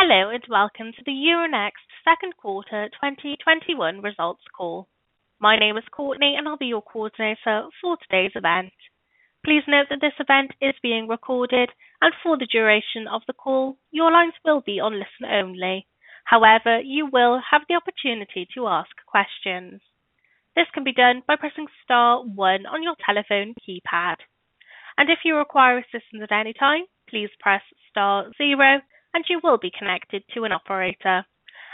Hello, welcome to the Euronext Second Quarter 2021 Results Call. My name is Courtney, and I'll be your coordinator for today's event. Please note that this event is being recorded, and for the duration of the call, your lines will be on listen-only. However, you will have the opportunity to ask questions. This can be done by pressing star one on your telephone keypad. If you require assistance at any time, please press star zero and you will be connected to an operator.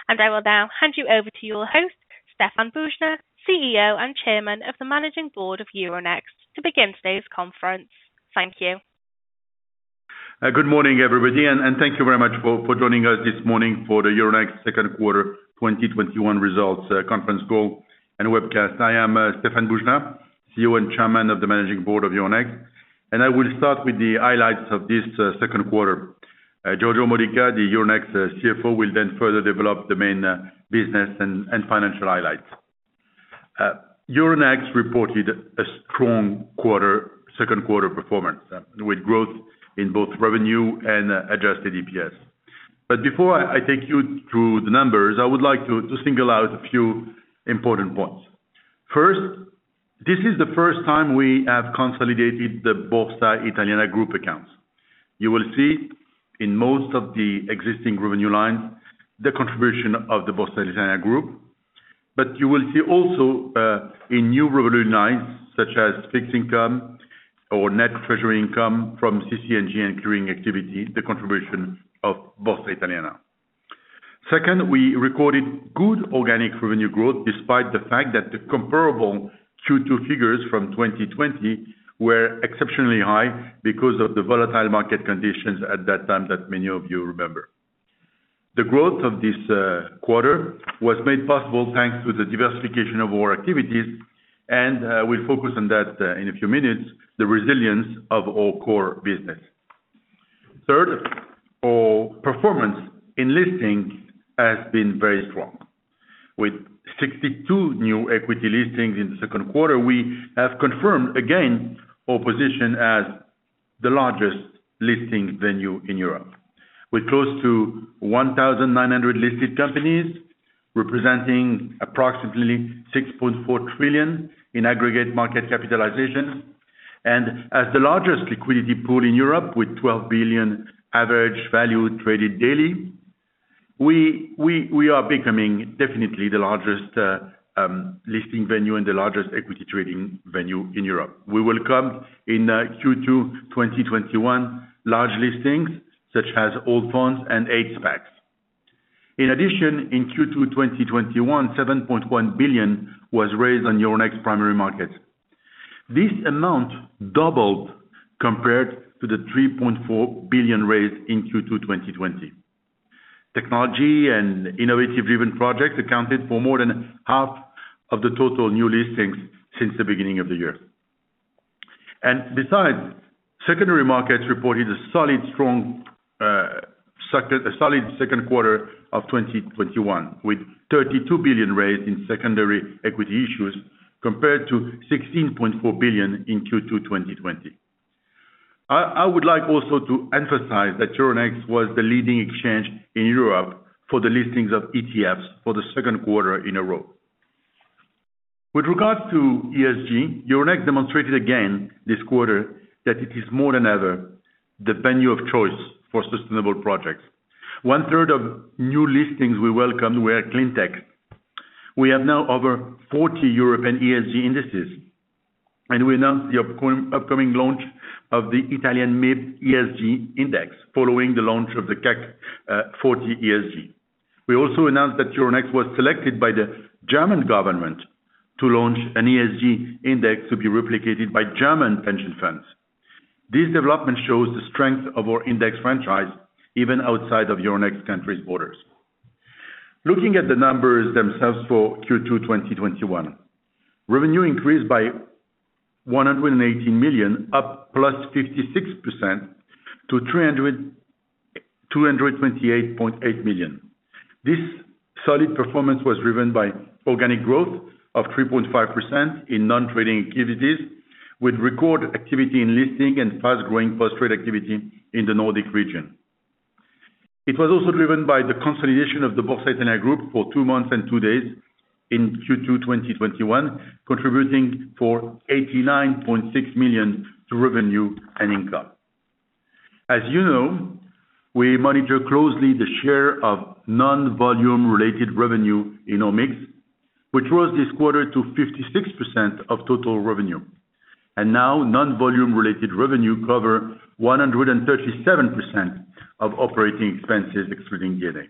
I will now hand you over to your host, Stéphane Boujnah, CEO and Chairman of the Managing Board of Euronext, to begin today's conference. Thank you. Good morning, everybody, and thank you very much for joining us this morning for the Euronext Second Quarter 2021 Results Conference Call and Webcast. I am Stéphane Boujnah, CEO and Chairman of the Managing Board of Euronext. I will start with the highlights of this second quarter. Giorgio Modica, the Euronext CFO, will further develop the main business and financial highlights. Euronext reported a strong second quarter performance, with growth in both revenue and adjusted EPS. Before I take you through the numbers, I would like to single out a few important points. First, this is the first time we have consolidated the Borsa Italiana Group accounts. You will see in most of the existing revenue lines the contribution of the Borsa Italiana Group, but you will see also in new revenue lines, such as fixed income or net treasury income from CC&G and clearing activity, the contribution of Borsa Italiana. Second, we recorded good organic revenue growth despite the fact that the comparable Q2 figures from 2020 were exceptionally high because of the volatile market conditions at that time that many of you remember. The growth of this quarter was made possible thanks to the diversification of our activities, and we'll focus on that in a few minutes, the resilience of our core business. Third, our performance in listings has been very strong. With 62 new equity listings in the second quarter, we have confirmed again our position as the largest listing venue in Europe. With close to 1,900 listed companies, representing approximately 6.4 trillion in aggregate market capitalization, and as the largest liquidity pool in Europe with 12 billion average value traded daily, we are becoming definitely the largest listing venue and the largest equity trading venue in Europe. We welcome in Q2 2021 large listings such as Allfunds and 8 SPACs. In addition, in Q2 2021, 7.1 billion was raised on Euronext primary markets. This amount doubled compared to the 3.4 billion raised in Q2 2020. Technology and innovative-driven projects accounted for more than half of the total new listings since the beginning of the year. Besides, secondary markets reported a solid second quarter of 2021, with 32 billion raised in secondary equity issues, compared to 16.4 billion in Q2 2020. I would like also to emphasize that Euronext was the leading exchange in Europe for the listings of ETFs for the second quarter in a row. With regards to ESG, Euronext demonstrated again this quarter that it is more than ever the venue of choice for sustainable projects. One-third of new listings we welcomed were cleantech. We have now over 40 European ESG indices, we announced the upcoming launch of the MIB ESG Index, following the launch of the CAC 40 ESG. We also announced that Euronext was selected by the German government to launch an ESG index to be replicated by German pension funds. This development shows the strength of our index franchise, even outside of Euronext's country's borders. Looking at the numbers themselves for Q2 2021. Revenue increased by 118 million, up +56%, to 228.8 million. This solid performance was driven by organic growth of 3.5% in non-trading activities, with record activity in listing and fast-growing post-trade activity in the Nordic region. It was also driven by the consolidation of the Borsa Italiana Group for two months and two days in Q2 2021, contributing for 89.6 million to revenue and income. As you know, we monitor closely the share of non-volume related revenue in our mix, which rose this quarter to 56% of total revenue. Now non-volume related revenue cover 137% of operating expenses, excluding D&A.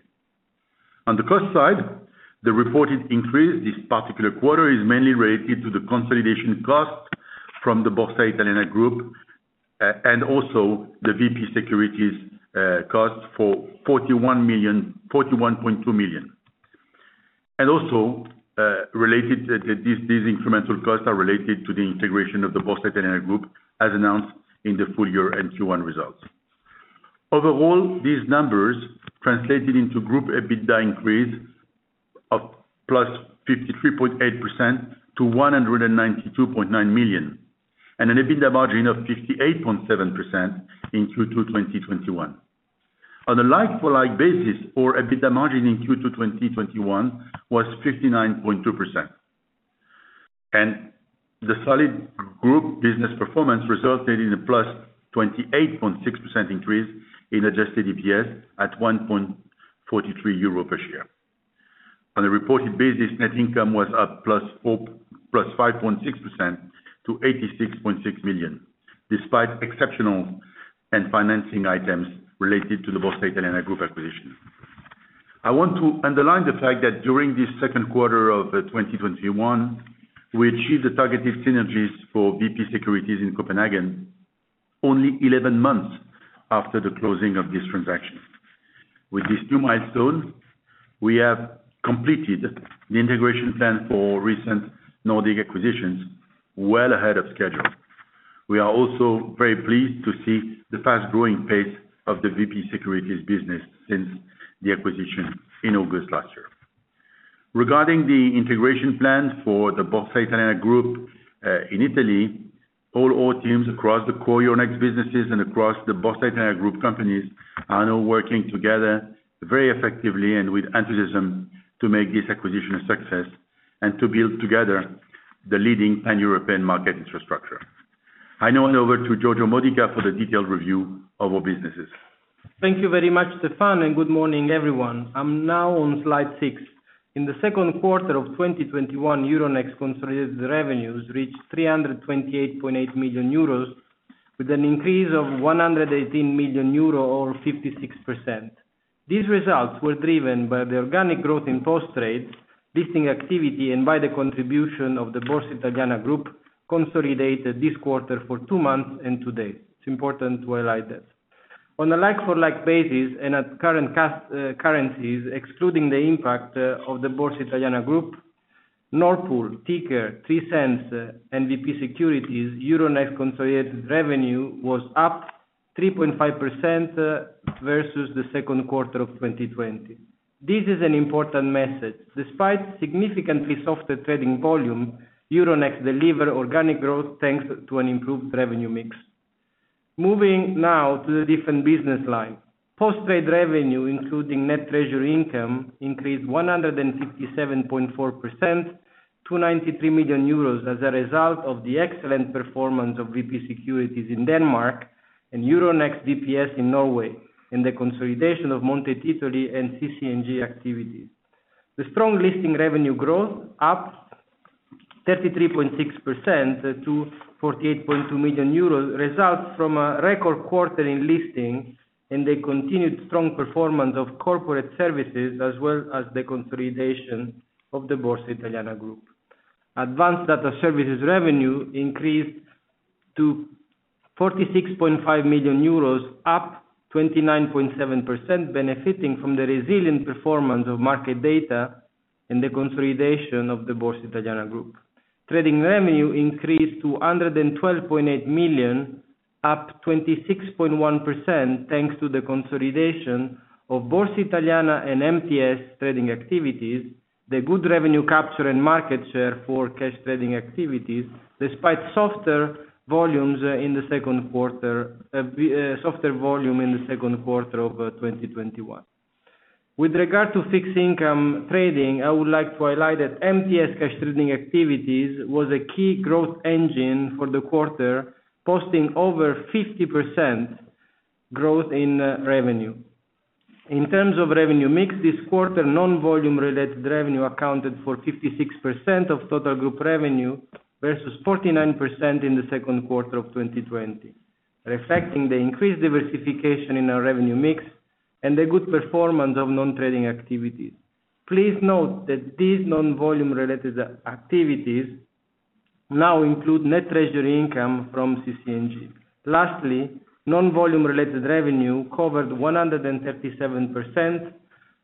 On the cost side, the reported increase this particular quarter is mainly related to the consolidation cost from the Borsa Italiana Group and also the VP Securities cost for 41.2 million. Also, these incremental costs are related to the integration of the Borsa Italiana Group, as announced in the full-year and Q1 results. Overall, these numbers translated into group EBITDA increase +53.8% to 192.9 million, and an EBITDA margin of 58.7% in Q2 2021. On a like-for-like basis, our EBITDA margin in Q2 2021 was 59.2%. The solid group business performance resulted in a +28.6% increase in adjusted EPS at 1.43 euro per share. On a reported basis, net income was up +5.6% to 86.6 million, despite exceptional and financing items related to the Borsa Italiana Group acquisition. I want to underline the fact that during this second quarter of 2021, we achieved the targeted synergies for VP Securities in Copenhagen only 11 months after the closing of this transaction. With these two milestones, we have completed the integration plan for recent Nordic acquisitions well ahead of schedule. We are also very pleased to see the fast-growing pace of the VP Securities business since the acquisition in August last year. Regarding the integration plan for the Borsa Italiana Group, in Italy, all our teams across the core Euronext businesses and across the Borsa Italiana Group companies are now working together very effectively and with enthusiasm to make this acquisition a success and to build together the leading Pan-European market infrastructure. I hand over to Giorgio Modica for the detailed review of our businesses. Thank you very much, Stéphane, and good morning, everyone. I'm now on slide six. In the second quarter of 2021, Euronext consolidated revenues reached 328.8 million euros, with an increase of 118 million euro or 56%. These results were driven by the organic growth in post trade, listing activity, and by the contribution of the Borsa Italiana Group, consolidated this quarter for two months and two days. It's important to highlight that. On a like-for-like basis and at current currencies, excluding the impact of the Borsa Italiana Group, Nord Pool, Ticker, Centevo, and VP Securities, Euronext consolidated revenue was up 3.5% versus the second quarter of 2020. This is an important message. Despite significantly softer trading volume, Euronext deliver organic growth thanks to an improved revenue mix. Moving now to the different business lines. Post trade revenue, including net treasury income, increased 157.4% to 93 million euros as a result of the excellent performance of VP Securities in Denmark and Euronext VPS in Norway, and the consolidation of Monte Titoli and CC&G activities. The strong listing revenue growth, up 33.6% to 48.2 million euros, results from a record quarter in listing and the continued strong performance of corporate services, as well as the consolidation of the Borsa Italiana Group. Advanced data services revenue increased to 46.5 million euros, up 29.7%, benefiting from the resilient performance of market data and the consolidation of the Borsa Italiana Group. Trading revenue increased to 112.8 million, up 26.1%, thanks to the consolidation of Borsa Italiana and MTS trading activities, the good revenue capture and market share for cash trading activities, despite softer volume in the second quarter of 2021. With regard to fixed income trading, I would like to highlight that MTS Cash trading activities was a key growth engine for the quarter, posting over 50% growth in revenue. In terms of revenue mix this quarter, non-volume related revenue accounted for 56% of total group revenue, versus 49% in the second quarter of 2020, reflecting the increased diversification in our revenue mix and the good performance of non-trading activities. Please note that these non-volume related activities now include net treasury income from CC&G. Lastly, non-volume related revenue covered 137%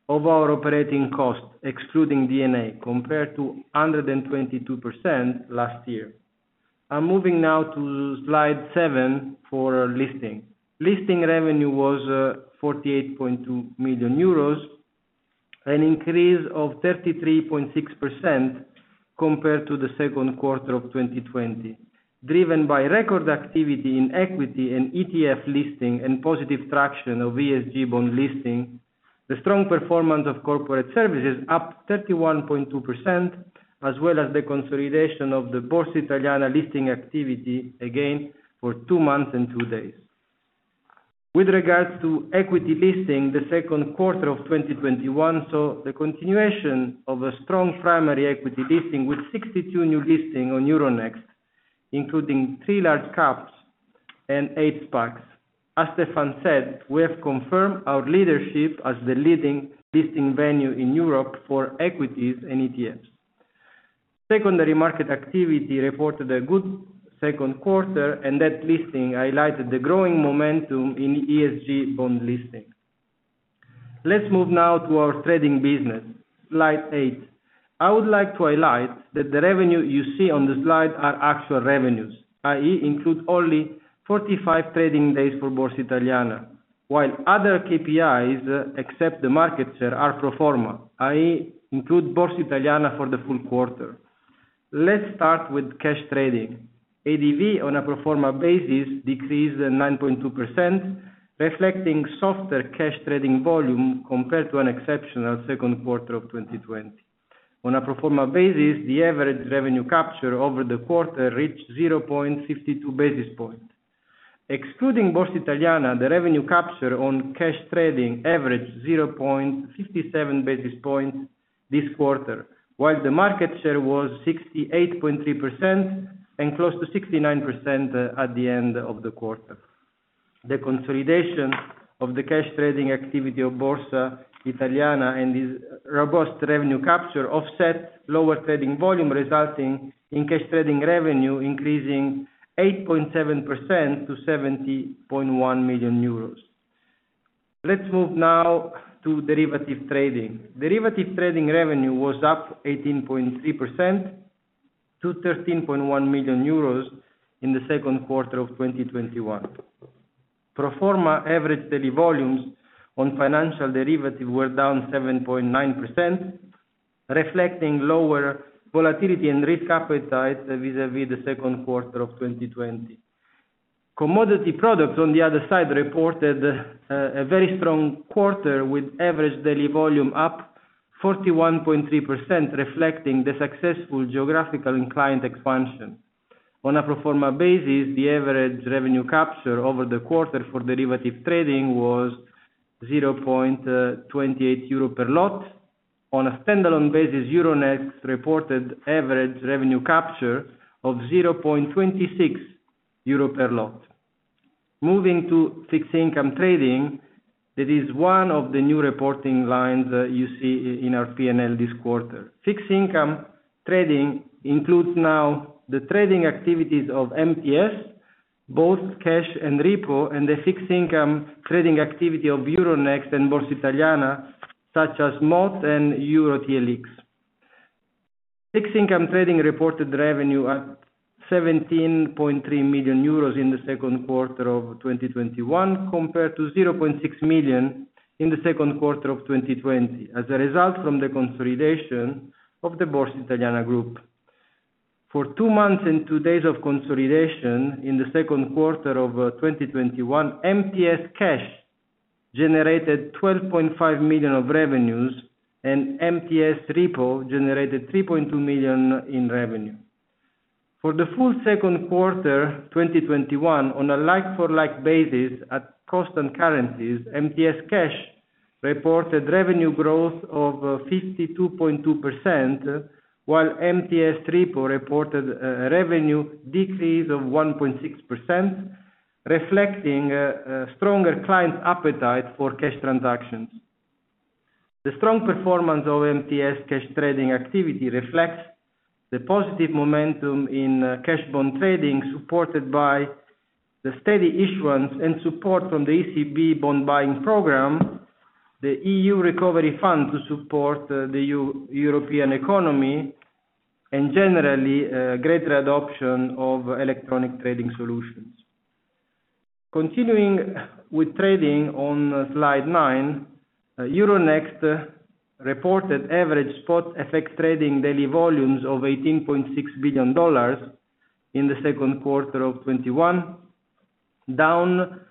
of our operating cost, excluding D&A, compared to 122% last year. I'm moving now to slide seven for listing. Listing revenue was 48.2 million euros, an increase of 33.6% compared to the second quarter of 2020, driven by record activity in equity and ETF listing and positive traction of ESG bond listing. The strong performance of corporate services up 31.2%, as well as the consolidation of the Borsa Italiana listing activity, again, for two months and two days. With regards to equity listing, the second quarter of 2021 saw the continuation of a strong primary equity listing with 62 new listing on Euronext, including three large caps and 8 SPACs. As Stéphane said, we have confirmed our leadership as the leading listing venue in Europe for equities and ETFs. Secondary market activity reported a good second quarter, debt listing highlighted the growing momentum in ESG bond listings. Let's move now to our trading business. Slide eight. I would like to highlight that the revenue you see on the slide are actual revenues, i.e., include only 45 trading days for Borsa Italiana. While other KPIs except the market share are pro forma, i.e., include Borsa Italiana for the full quarter. Let's start with cash trading. ADV on a pro forma basis decreased 9.2%, reflecting softer cash trading volume compared to an exceptional second quarter of 2020. On a pro forma basis, the average revenue capture over the quarter reached 0.52 basis point. Excluding Borsa Italiana, the revenue capture on cash trading averaged 0.57 basis points this quarter, while the market share was 68.3% and close to 69% at the end of the quarter. The consolidation of the cash trading activity of Borsa Italiana and this robust revenue capture offset lower trading volume, resulting in cash trading revenue increasing 8.7% to 70.1 million euros. Let's move now to derivative trading. Derivative trading revenue was up 18.3% to 13.1 million euros in the second quarter of 2021. Pro forma average daily volumes on financial derivative were down 7.9%, reflecting lower volatility and risk appetite vis-à-vis the second quarter of 2020. Commodity products, on the other side, reported a very strong quarter, with average daily volume up 41.3%, reflecting the successful geographical and client expansion. On a pro forma basis, the average revenue capture over the quarter for derivative trading was 0.28 euro per lot. On a standalone basis, Euronext reported average revenue capture of 0.26 euro per lot. Moving to fixed income trading, that is one of the new reporting lines that you see in our P&L this quarter. Fixed income trading includes now the trading activities of MTS, both cash and repo, and the fixed income trading activity of Euronext and Borsa Italiana, such as MOT and EuroTLX. Fixed income trading reported revenue at 17.3 million euros in the second quarter of 2021, compared to 0.6 million in the second quarter of 2020, as a result from the consolidation of the Borsa Italiana group. For two months and two days of consolidation in the second quarter of 2021, MTS Cash generated 12.5 million of revenues, and MTS Repo generated 3.2 million in revenue. For the full second quarter 2021, on a like-for-like basis at constant currencies, MTS Cash reported revenue growth of 52.2%, while MTS Repo reported a revenue decrease of 1.6%, reflecting a stronger client appetite for cash transactions. The strong performance of MTS Cash trading activity reflects the positive momentum in cash bond trading, supported by the steady issuance and support from the ECB bond buying program, the EU Recovery Fund to support the European economy, and generally, greater adoption of electronic trading solutions. Continuing with trading on slide 9, Euronext reported average spot FX trading daily volumes of $18.6 billion in the second quarter of 2021, down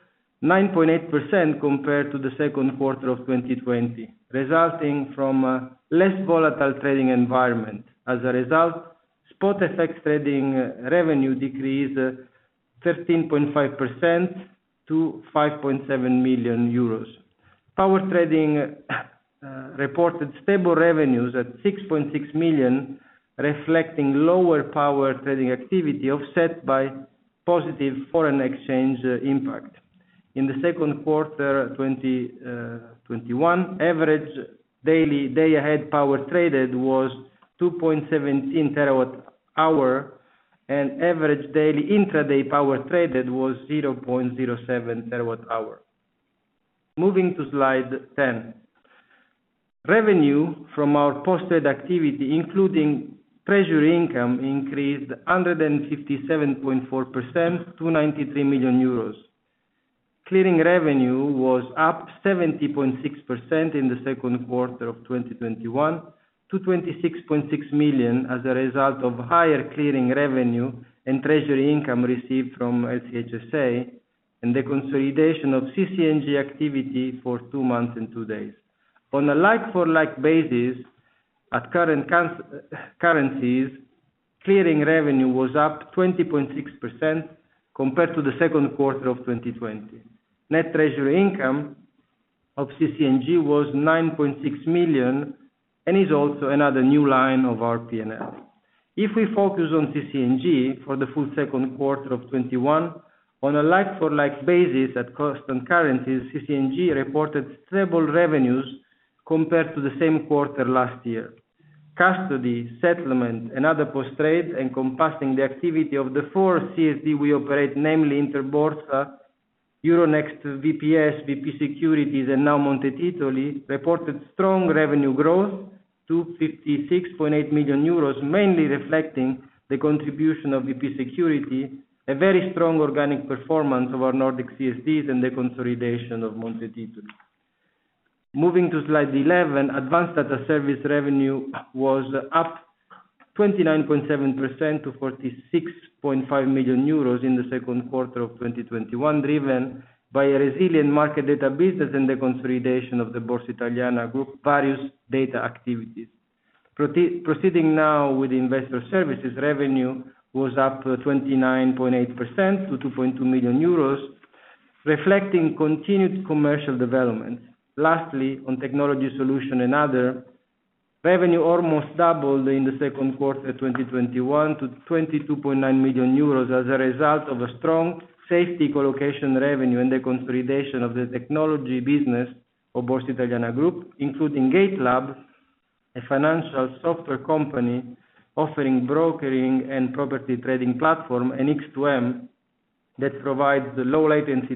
9.8% compared to the second quarter of 2020, resulting from a less volatile trading environment. As a result, spot FX trading revenue decreased 13.5% to 5.7 million euros. Power trading reported stable revenues at 6.6 million, reflecting lower power trading activity offset by positive foreign exchange impact. In the second quarter 2021, average daily day-ahead power traded was 2.17 terawatt hour, and average daily intra-day power traded was 0.07 terawatt hour. Moving to slide 10. Revenue from our posted activity, including treasury income, increased 157.4% to 93 million euros. Clearing revenue was up 70.6% in the second quarter of 2021 to 26.6 million as a result of higher clearing revenue and treasury income received from LCH SA and the consolidation of CC&G activity for two months and two days. On a like-for-like basis, at current currencies, clearing revenue was up 20.6% compared to the second quarter of 2020. Net treasury income of CC&G was 9.6 million and is also another new line of our P&L. If we focus on CC&G for the full second quarter of 2021, on a like-for-like basis at constant currencies, CC&G reported stable revenues compared to the same quarter last year. Custody, settlement, and other post-trade, encompassing the activity of the four CSD we operate, namely Interbolsa, Euronext VPS, VP Securities, and now Monte Titoli, reported strong revenue growth to 56.8 million euros, mainly reflecting the contribution of VP Securities, a very strong organic performance of our Nordic CSDs and the consolidation of Monte Titoli. Moving to slide 11, Advanced Data Service revenue was up 29.7% to 46.5 million euros in the second quarter of 2021, driven by a resilient market data business and the consolidation of the Borsa Italiana Group, various data activities. Proceeding now with Investor Services, revenue was up 29.8% to 2.2 million euros, reflecting continued commercial development. On technology solution and other, revenue almost doubled in the second quarter 2021 to 22.9 million euros as a result of a strong SFTI colocation revenue and the consolidation of the technology business of Borsa Italiana Group, including Gatelab, a financial software company offering brokering and proprietary trading platform, and X2M, that provides low latency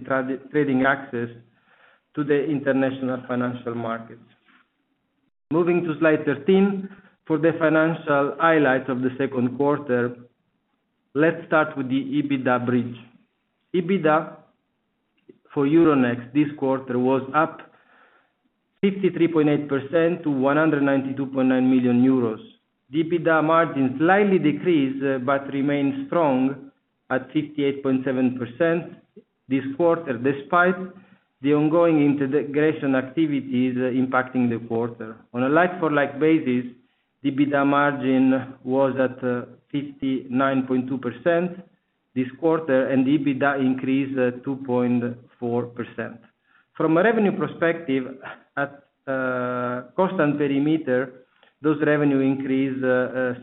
trading access to the international financial markets. Moving to slide 13 for the financial highlights of the second quarter. Let's start with the EBITDA bridge. EBITDA for Euronext this quarter was up 53.8% to 192.9 million euros. EBITDA margin slightly decreased but remained strong at 58.7% this quarter, despite the ongoing integration activities impacting the quarter. On a like for like basis, EBITDA margin was at 59.2% this quarter, and EBITDA increased 2.4%. From a revenue perspective, at constant perimeter, those revenue increased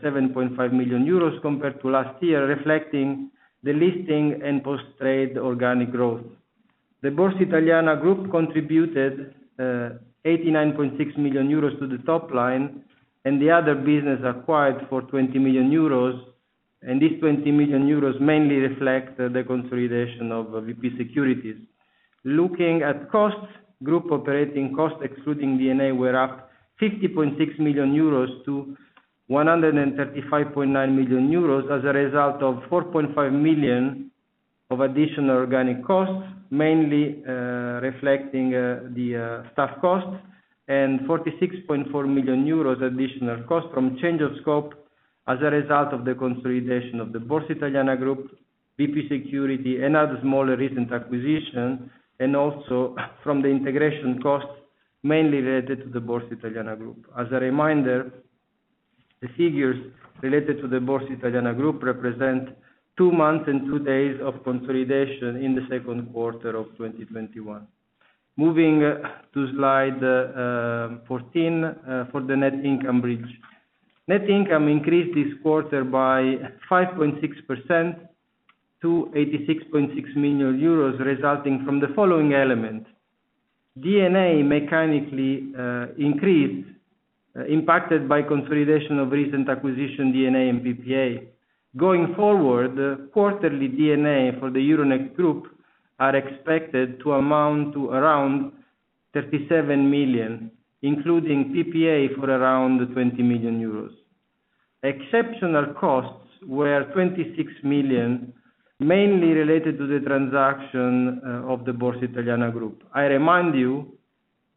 7.5 million euros compared to last year, reflecting the listing and post-trade organic growth. The Borsa Italiana Group contributed 89.6 million euros to the top line, and the other business acquired for 20 million euros, and this 20 million euros mainly reflect the consolidation of VP Securities. Looking at costs, group operating costs excluding D&A were up 50.6 million euros to 135.9 million euros as a result of 4.5 million of additional organic costs, mainly reflecting the staff costs, and 46.4 million euros additional cost from change of scope as a result of the consolidation of the Borsa Italiana Group, VP Securities, and other smaller recent acquisitions, and also from the integration costs mainly related to the Borsa Italiana Group. As a reminder, the figures related to the Borsa Italiana Group represent two months and two days of consolidation in the second quarter of 2021. Moving to slide 14, for the net income bridge. Net income increased this quarter by 5.6% to 86.6 million euros, resulting from the following elements. D&A mechanically increased, impacted by consolidation of recent acquisition D&A and PPA. Going forward, quarterly D&A for the Euronext Group are expected to amount to around 37 million, including PPA for around 20 million euros. Exceptional costs were 26 million, mainly related to the transaction of the Borsa Italiana Group. I remind you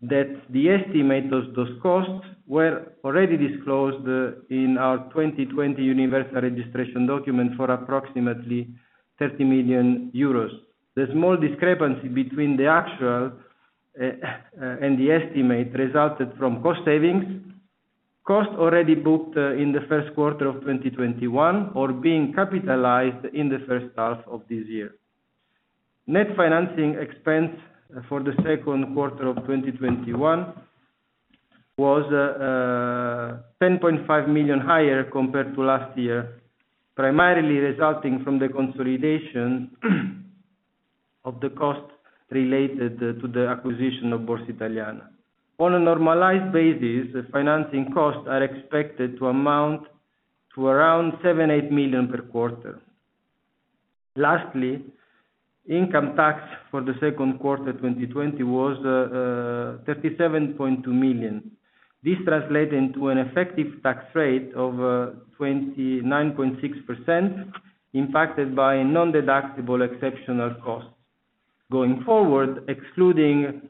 that the estimate of those costs were already disclosed in our 2020 universal registration document for approximately 30 million euros. The small discrepancy between the actual and the estimate resulted from cost savings, costs already booked in the first quarter of 2021, or being capitalized in the first half of this year. Net financing expense for the second quarter of 2021 was 10.5 million higher compared to last year, primarily resulting from the consolidation of the costs related to the acquisition of Borsa Italiana. On a normalized basis, the financing costs are expected to amount to around 7 million-8 million per quarter. Lastly, income tax for the second quarter 2020 was 37.2 million. This translate into an effective tax rate of 29.6%, impacted by nondeductible exceptional costs. Going forward, excluding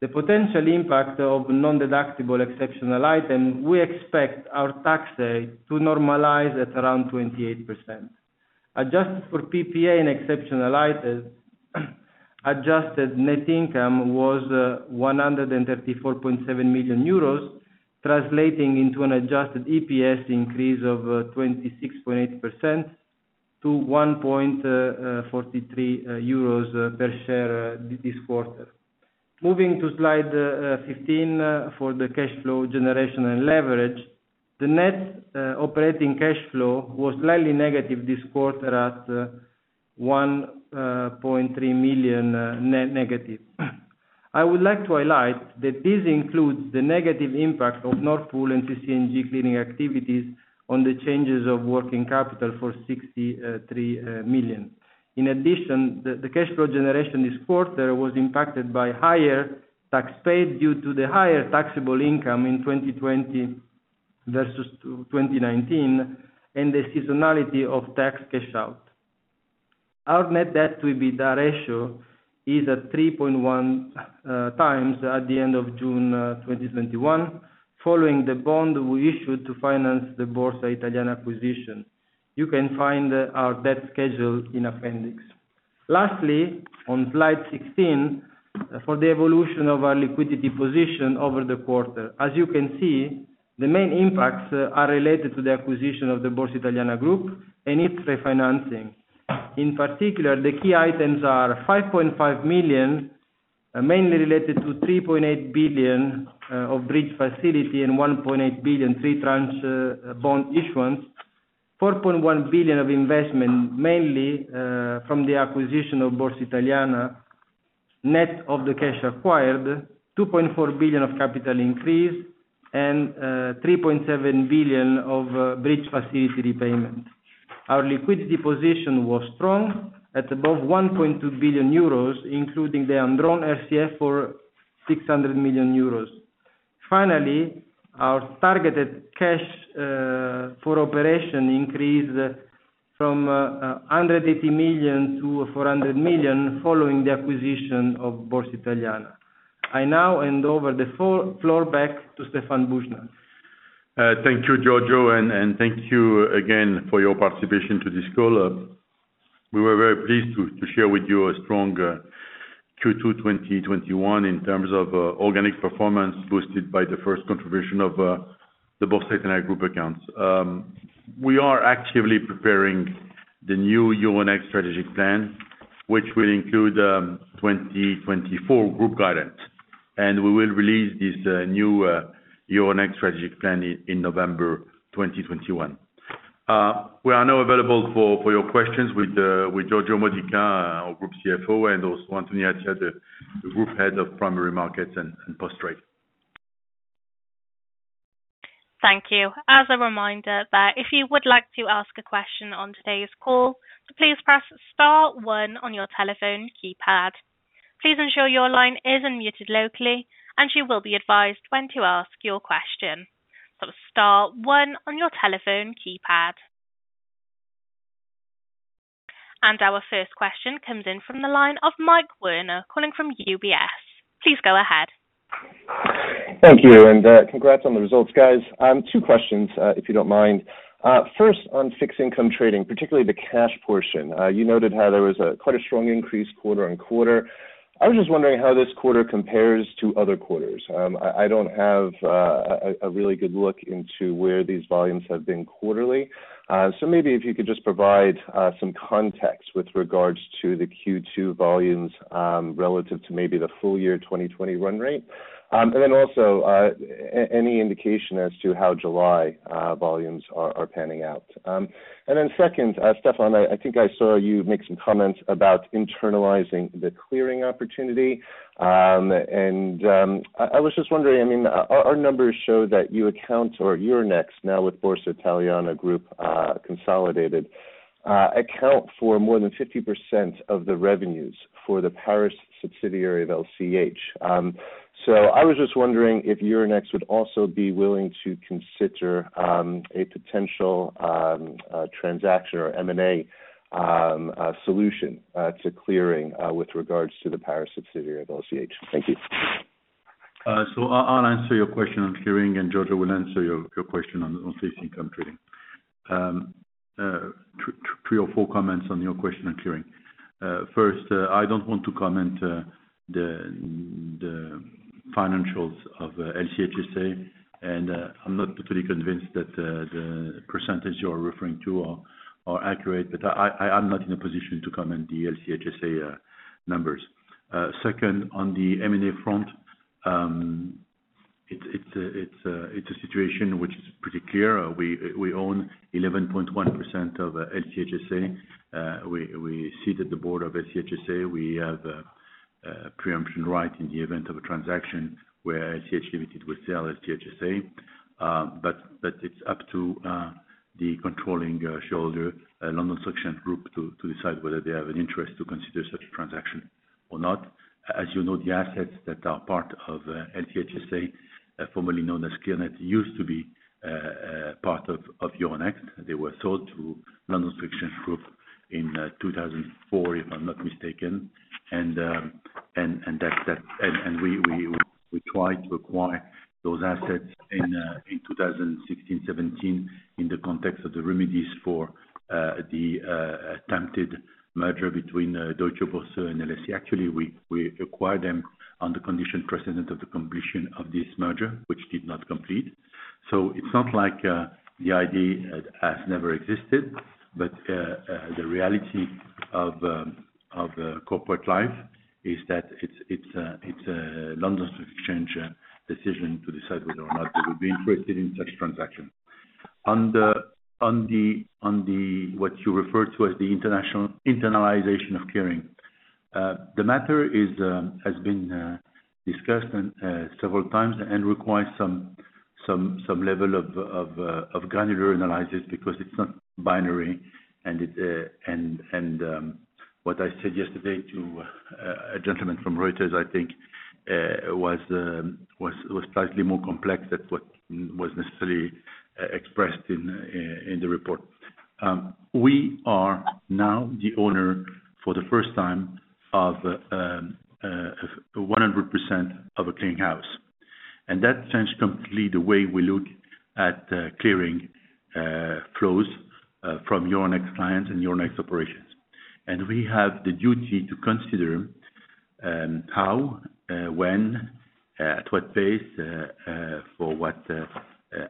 the potential impact of nondeductible exceptional item, we expect our tax rate to normalize at around 28%. Adjusted for PPA and exceptional items, adjusted net income was 134.7 million euros, translating into an adjusted EPS increase of 26.8% to 1.43 euros per share this quarter. Moving to slide 15 for the cash flow generation and leverage. The net operating cash flow was slightly negative this quarter at 1.3 million negative. I would like to highlight that this includes the negative impact of Nord Pool and CC&G clearing activities on the changes of working capital for 63 million. In addition, the cash flow generation this quarter was impacted by higher tax paid due to the higher taxable income in 2021 versus 2019, and the seasonality of tax cash out. Our net debt to EBITDA ratio is at 3.1x at the end of June 2021, following the bond we issued to finance the Borsa Italiana acquisition. You can find our debt schedule in appendix. Lastly, on slide 16, for the evolution of our liquidity position over the quarter. As you can see, the main impacts are related to the acquisition of the Borsa Italiana Group and its refinancing. In particular, the key items are 5.5 million, mainly related to 3.8 billion of bridge facility and 1.8 billion three tranche bond issuance, 4.1 billion of investment, mainly from the acquisition of Borsa Italiana, net of the cash acquired, 2.4 billion of capital increase, and 3.7 billion of bridge facility repayment. Our liquidity position was strong at above 1.2 billion euros, including the undrawn SCF for 600 million euros. Finally, our targeted cash for operation increased from 180 million to 400 million following the acquisition of Borsa Italiana. I now hand over the floor back to Stéphane Boujnah. Thank you, Giorgio, and thank you again for your participation to this call. We were very pleased to share with you a strong Q2 2021 in terms of organic performance boosted by the first contribution of the Borsa Italiana Group accounts. We are actively preparing the new Euronext strategic plan, which will include 2024 group guidance, and we will release this new Euronext strategic plan in November 2021. We are now available for your questions with Giorgio Modica, our Group CFO, and also Anthony Attia, the Group Head of Primary Markets and Post-Trade. Thank you. As a reminder that if you would like to ask a question on today's call, please press star one on your telephone keypad. Please ensure your line is unmuted locally, and you will be advised when to ask your question. Star one on your telephone keypad. Our first question comes in from the line of Michael Werner calling from UBS. Please go ahead. Thank you, congrats on the results, guys. Two questions, if you don't mind. First, on fixed income trading, particularly the cash portion. You noted how there was quite a strong increase quarter-on-quarter. I was just wondering how this quarter compares to other quarters. I don't have a really good look into where these volumes have been quarterly. Maybe if you could just provide some context with regards to the Q2 volumes, relative to maybe the full-year 2020 run rate. Also, any indication as to how July volumes are panning out. Second, Stéphane, I think I saw you make some comments about internalizing the clearing opportunity. I was just wondering, our numbers show that your accounts or Euronext now with Borsa Italiana Group consolidated account for more than 50% of the revenues for the Paris subsidiary of LCH. I was just wondering if Euronext would also be willing to consider a potential transaction or M&A solution to clearing with regards to the Paris subsidiary of LCH. Thank you. I'll answer your question on clearing, and Giorgio will answer your question on fixed income trading. Three or four comments on your question on clearing. First, I don't want to comment the financials of LCH SA, and I'm not totally convinced that the percentage you're referring to are accurate. I'm not in a position to comment the LCH SA numbers. Second, on the M&A front, it's a situation which is pretty clear. We own 11.1% of LCH SA. We sit at the board of LCH SA. We have a preemption right in the event of a transaction where LCH Limited would sell LCH SA. It's up to the controlling shareholder, London Stock Exchange Group, to decide whether they have an interest to consider such a transaction or not. As you know, the assets that are part of LCH SA, formerly known as Clearnet, used to be part of Euronext. They were sold to London Stock Exchange Group in 2004, if I'm not mistaken. We tried to acquire those assets in 2016, 2017 in the context of the remedies for the attempted merger between Deutsche Börse and LSE. Actually, we acquired them on the condition precedent of the completion of this merger, which did not complete. It's not like the idea has never existed, but the reality of corporate life is that it's London Stock Exchange decision to decide whether or not they would be interested in such transaction. On what you referred to as the international internalization of clearing. The matter has been discussed several times and requires some level of granular analysis because it's not binary and what I said yesterday to a gentleman from Reuters, I think was slightly more complex than what was necessarily expressed in the report. We are now the owner, for the first time, of 100% of a clearing house. That changed completely the way we look at clearing flows from Euronext clients and Euronext operations. We have the duty to consider how, when, at what pace, for what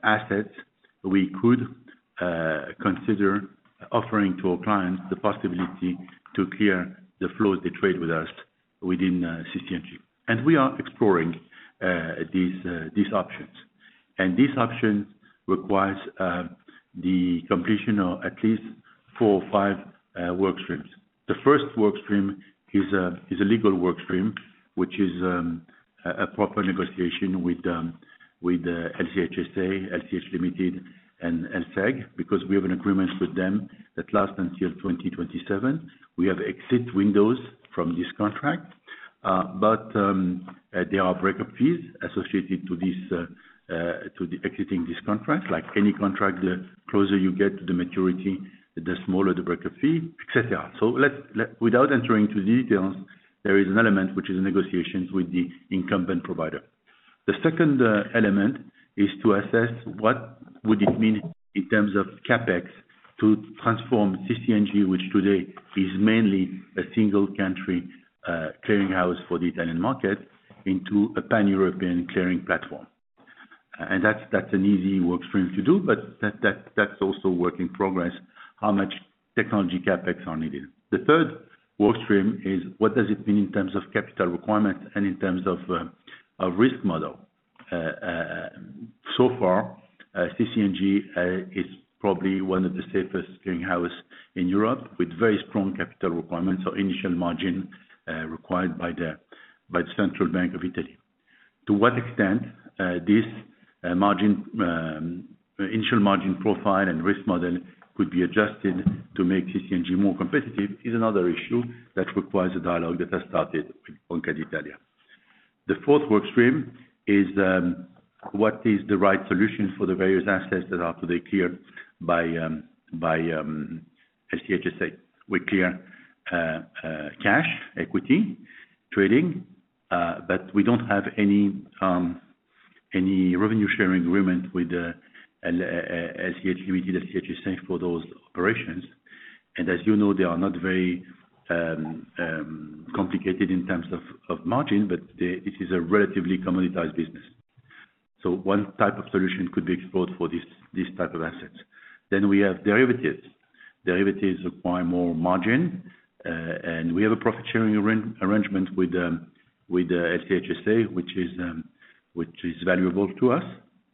assets we could consider offering to our clients the possibility to clear the flows they trade with us within CC&G. We are exploring these options. These options requires the completion of at least four or five work streams. The first work stream is a legal work stream, which is a proper negotiation with LCH SA, LCH Limited and LSEG, because we have an agreement with them that lasts until 2027. We have exit windows from this contract. There are breakup fees associated to exiting this contract. Like any contract, the closer you get to the maturity, the smaller the breakup fee, et cetera. Without entering into details, there is an element which is in negotiations with the incumbent provider. The second element is to assess what would it mean in terms of CapEx to transform CC&G, which today is mainly a single country clearing house for the Italian market, into a pan-European clearing platform. That's an easy work stream to do, but that's also work in progress, how much technology CapEx are needed. The third work stream is what does it mean in terms of capital requirements and in terms of risk model. So far, CC&G is probably one of the safest clearing houses in Europe with very strong capital requirements or initial margin required by the Central Bank of Italy. To what extent this initial margin profile and risk model could be adjusted to make CC&G more competitive is another issue that requires a dialogue that has started with Banca d'Italia. The fourth work stream is what is the right solution for the various assets that are today cleared by LCH SA. We clear cash equity trading, we don't have any revenue-sharing agreement with LCH Limited, LCH SA for those operations. As you know, they are not very complicated in terms of margin, this is a relatively commoditized business. One type of solution could be explored for these type of assets. We have derivatives. Derivatives require more margin, we have a profit-sharing arrangement with LCH SA, which is valuable to us,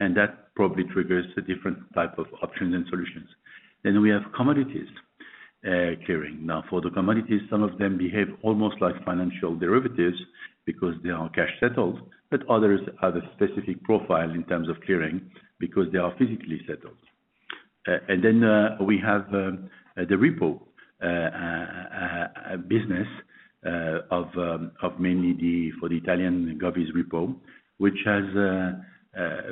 that probably triggers a different type of options and solutions. We have commodities clearing. For the commodities, some of them behave almost like financial derivatives because they are cash-settled, but others have a specific profile in terms of clearing because they are physically settled. We have the repo business of mainly for the Italian govies repo, which has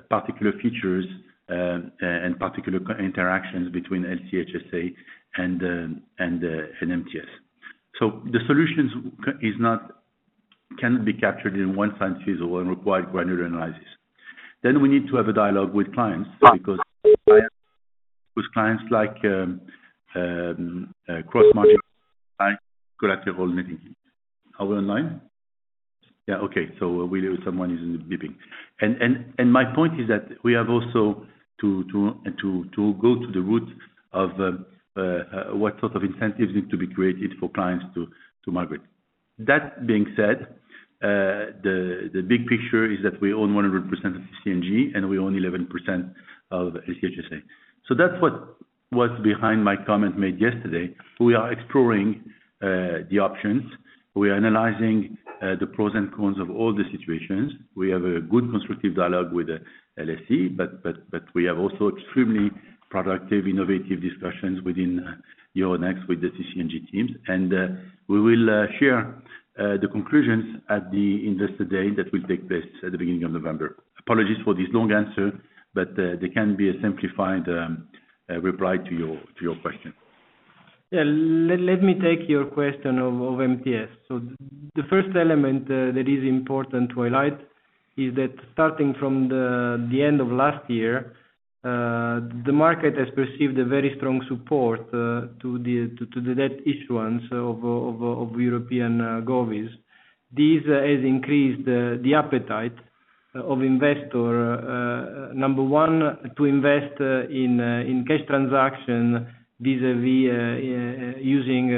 particular features and particular interactions between LCH SA and MTS. The solutions cannot be captured in one size fits all and require granular analysis. We need to have a dialogue with clients. With clients like cross-market clients, collateral. Are we online? Yeah. Okay. We know someone is beeping. My point is that we have also to go to the root of what sort of incentives need to be created for clients to migrate. That being said, the big picture is that we own 100% of CC&G, and we own 11% of LCH SA. That's what was behind my comment made yesterday. We are exploring the options. We are analyzing the pros and cons of all the situations. We have a good constructive dialogue with LSE, but we have also extremely productive, innovative discussions within Euronext with the CC&G teams. We will share the conclusions at the Investor Day that will take place at the beginning of November. Apologies for this long answer, but there can be a simplified reply to your question. Let me take your question of MTS. The first element that is important to highlight is that starting from the end of last year, the market has perceived a very strong support to the debt issuance of European govies. This has increased the appetite of investor. Number one, to invest in cash transaction vis-a-vis using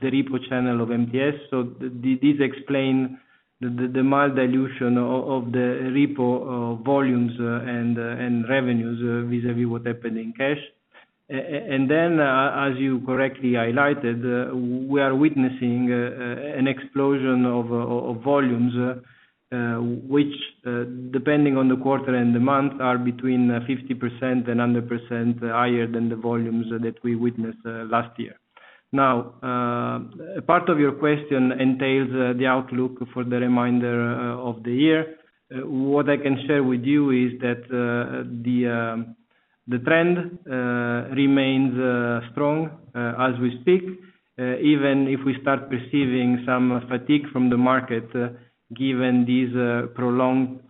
the repo channel of MTS. This explain the mild dilution of the repo volumes and revenues vis-a-vis what happened in cash. As you correctly highlighted, we are witnessing an explosion of volumes, which, depending on the quarter and the month, are between 50% and 100% higher than the volumes that we witnessed last year. Part of your question entails the outlook for the remainder of the year. What I can share with you is that the trend remains strong as we speak, even if we start perceiving some fatigue from the market, given this prolonged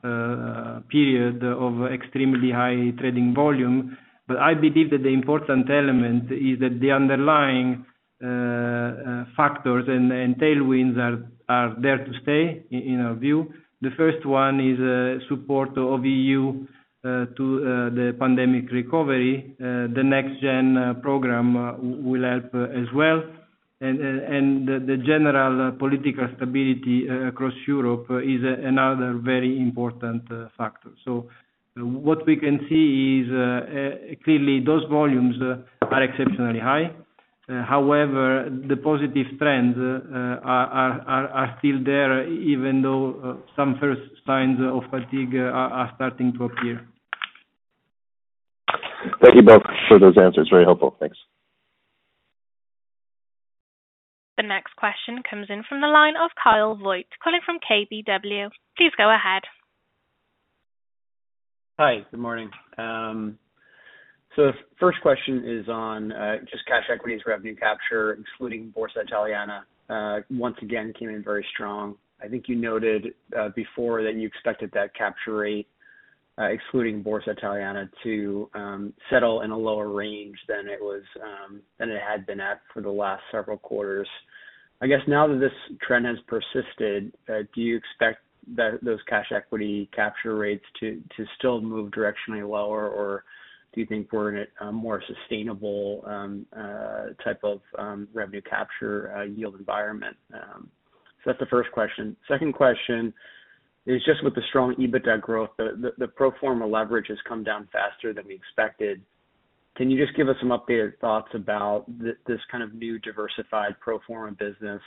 period of extremely high trading volume. I believe that the important element is that the underlying factors and tailwinds are there to stay, in our view. The first one is support of EU to the pandemic recovery. The NextGenerationEU program will help as well. The general political stability across Europe is another very important factor. What we can see is, clearly those volumes are exceptionally high. However, the positive trends are still there, even though some first signs of fatigue are starting to appear. Thank you both for those answers. Very helpful. Thanks. The next question comes in from the line of Kyle Voigt, calling from KBW. Please go ahead. Hi. Good morning. First question is on just cash equities revenue capture, excluding Borsa Italiana. Once again, came in very strong. I think you noted before that you expected that capture rate, excluding Borsa Italiana, to settle in a lower range than it had been at for the last several quarters. I guess now that this trend has persisted, do you expect those cash equity capture rates to still move directionally lower, or do you think we're in a more sustainable type of revenue capture yield environment? That's the first question. Second question is just with the strong EBITDA growth, the pro forma leverage has come down faster than we expected. Can you just give us some updated thoughts about this kind of new diversified pro forma business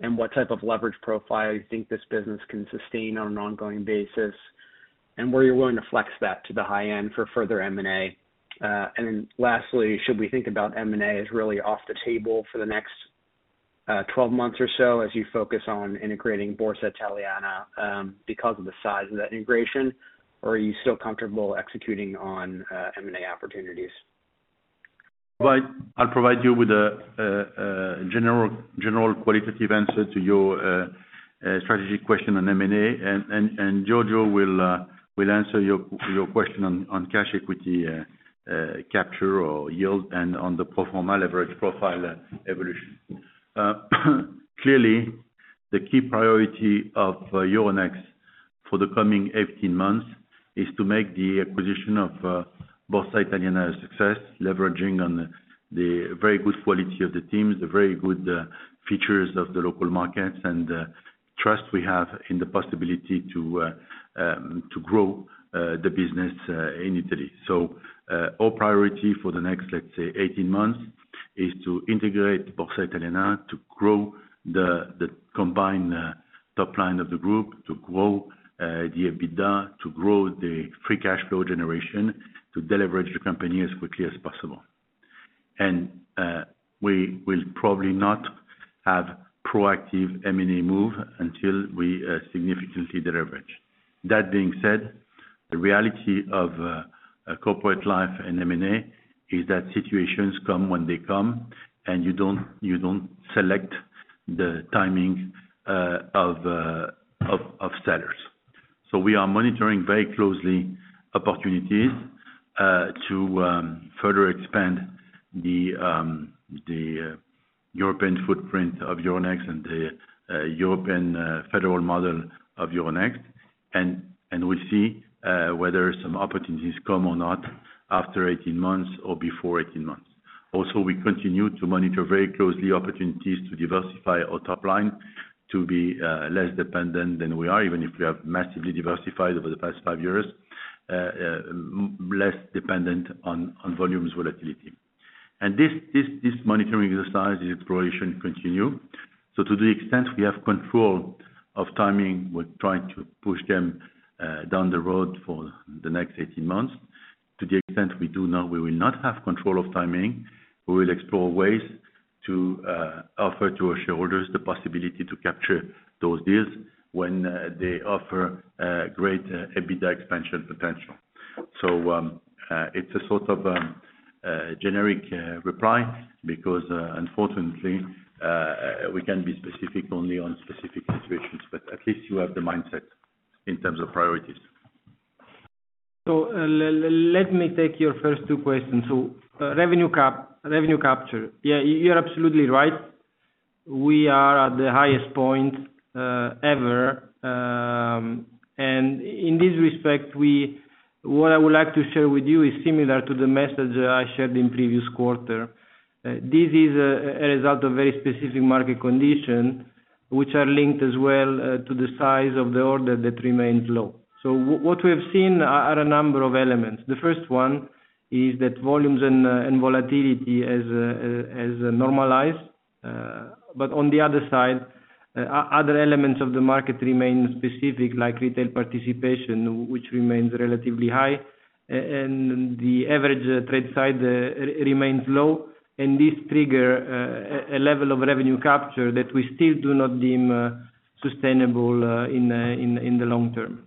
and what type of leverage profile you think this business can sustain on an ongoing basis? Were you willing to flex that to the high end for further M&A? Lastly, should we think about M&A as really off the table for the next 12 months or so as you focus on integrating Borsa Italiana, because of the size of that integration, or are you still comfortable executing on M&A opportunities? Kyle, I'll provide you with a general qualitative answer to your strategic question on M&A, and Giorgio will answer your question on cash equity capture or yield, and on the pro forma leverage profile evolution. Clearly, the key priority of Euronext for the coming 18 months is to make the acquisition of Borsa Italiana a success, leveraging on the very good quality of the teams, the very good features of the local markets, and the trust we have in the possibility to grow the business in Italy. Our priority for the next, let's say, 18 months, is to integrate Borsa Italiana, to grow the combined top line of the group, to grow the EBITDA, to grow the free cash flow generation, to deleverage the company as quickly as possible. We will probably not have proactive M&A move until we significantly deleverage. That being said, the reality of corporate life and M&A is that situations come when they come, and you don't select the timing of sellers. We are monitoring very closely opportunities to further expand the European footprint of Euronext and the European federal model of Euronext. We'll see whether some opportunities come or not after 18 months or before 18 months. Also, we continue to monitor very closely opportunities to diversify our top line to be less dependent than we are, even if we have massively diversified over the past five years, less dependent on volumes volatility. This monitoring exercise exploration continue. To the extent we have control of timing, we're trying to push them down the road for the next 18 months. To the extent we do know we will not have control of timing, we will explore ways to offer to our shareholders the possibility to capture those deals when they offer great EBITDA expansion potential. It's a sort of generic reply because, unfortunately, we can be specific only on specific situations. At least you have the mindset in terms of priorities. Let me take your first two questions. Revenue capture. Yeah, you're absolutely right. We are at the highest point ever. In this respect, what I would like to share with you is similar to the message I shared in previous quarter. This is a result of very specific market condition, which are linked as well to the size of the order that remains low. What we have seen are a number of elements. The first one is that volumes and volatility has normalized. But on the other side, other elements of the market remain specific, like retail participation, which remains relatively high, and the average trade size remains low. This trigger a level of revenue capture that we still do not deem sustainable in the long term.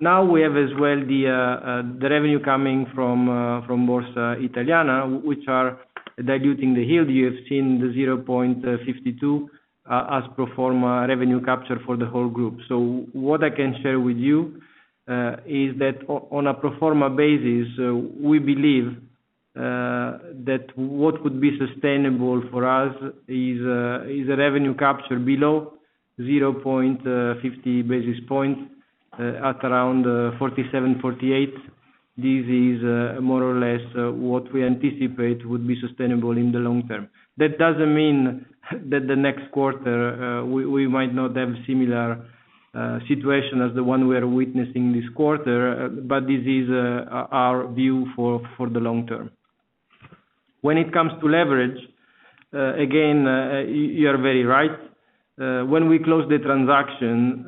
Now we have as well the revenue coming from Borsa Italiana, which are diluting the yield. You have seen the 0.52 as pro forma revenue capture for the whole group. What I can share with you is that on a pro forma basis, we believe that what would be sustainable for us is a revenue capture below 0.50 basis points at around 47, 48. This is more or less what we anticipate would be sustainable in the long term. That doesn't mean that the next quarter, we might not have a similar situation as the one we are witnessing this quarter, this is our view for the long term. When it comes to leverage, again, you're very right. When we closed the transaction,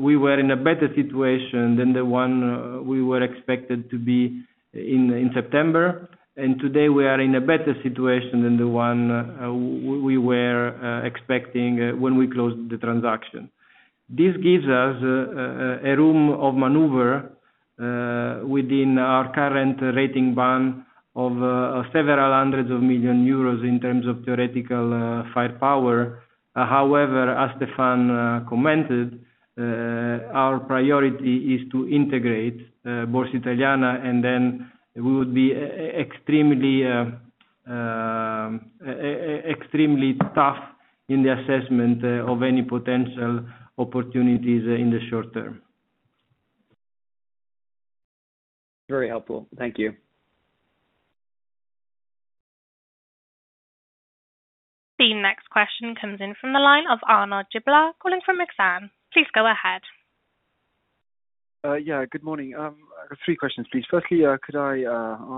we were in a better situation than the one we were expected to be in September, today we are in a better situation than the one we were expecting when we closed the transaction. This gives us a room of maneuver within our current rating band of several hundreds of million EUR in terms of theoretical firepower. However, as Stéphane commented, our priority is to integrate Borsa Italiana, and then we would be extremely tough in the assessment of any potential opportunities in the short term. Very helpful. Thank you. The next question comes in from the line of Arnaud Giblat, calling from Exane. Please go ahead. Yeah, good morning. I've got three questions, please. Firstly, could I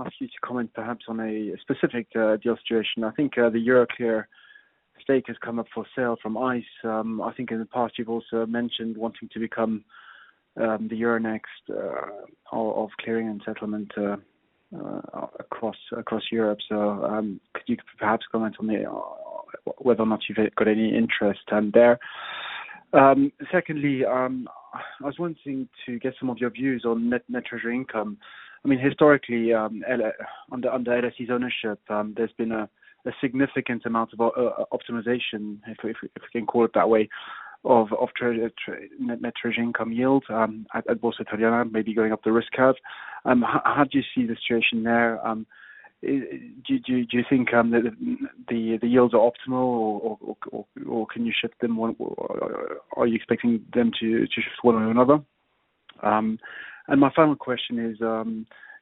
ask you to comment perhaps on a specific deal situation? I think the Euroclear stake has come up for sale from ICE. I think in the past you've also mentioned wanting to become the Euronext of clearing and settlement across Europe. Could you perhaps comment on whether or not you've got any interest there? Secondly, I was wanting to get some of your views on net treasury income. Historically, under LSE's ownership, there's been a significant amount of optimization, if we can call it that way, of net treasury income yields at Borsa Italiana, maybe going up the risk curve. How do you see the situation now? Do you think the yields are optimal or can you shift them? Are you expecting them to shift one or another? My final question is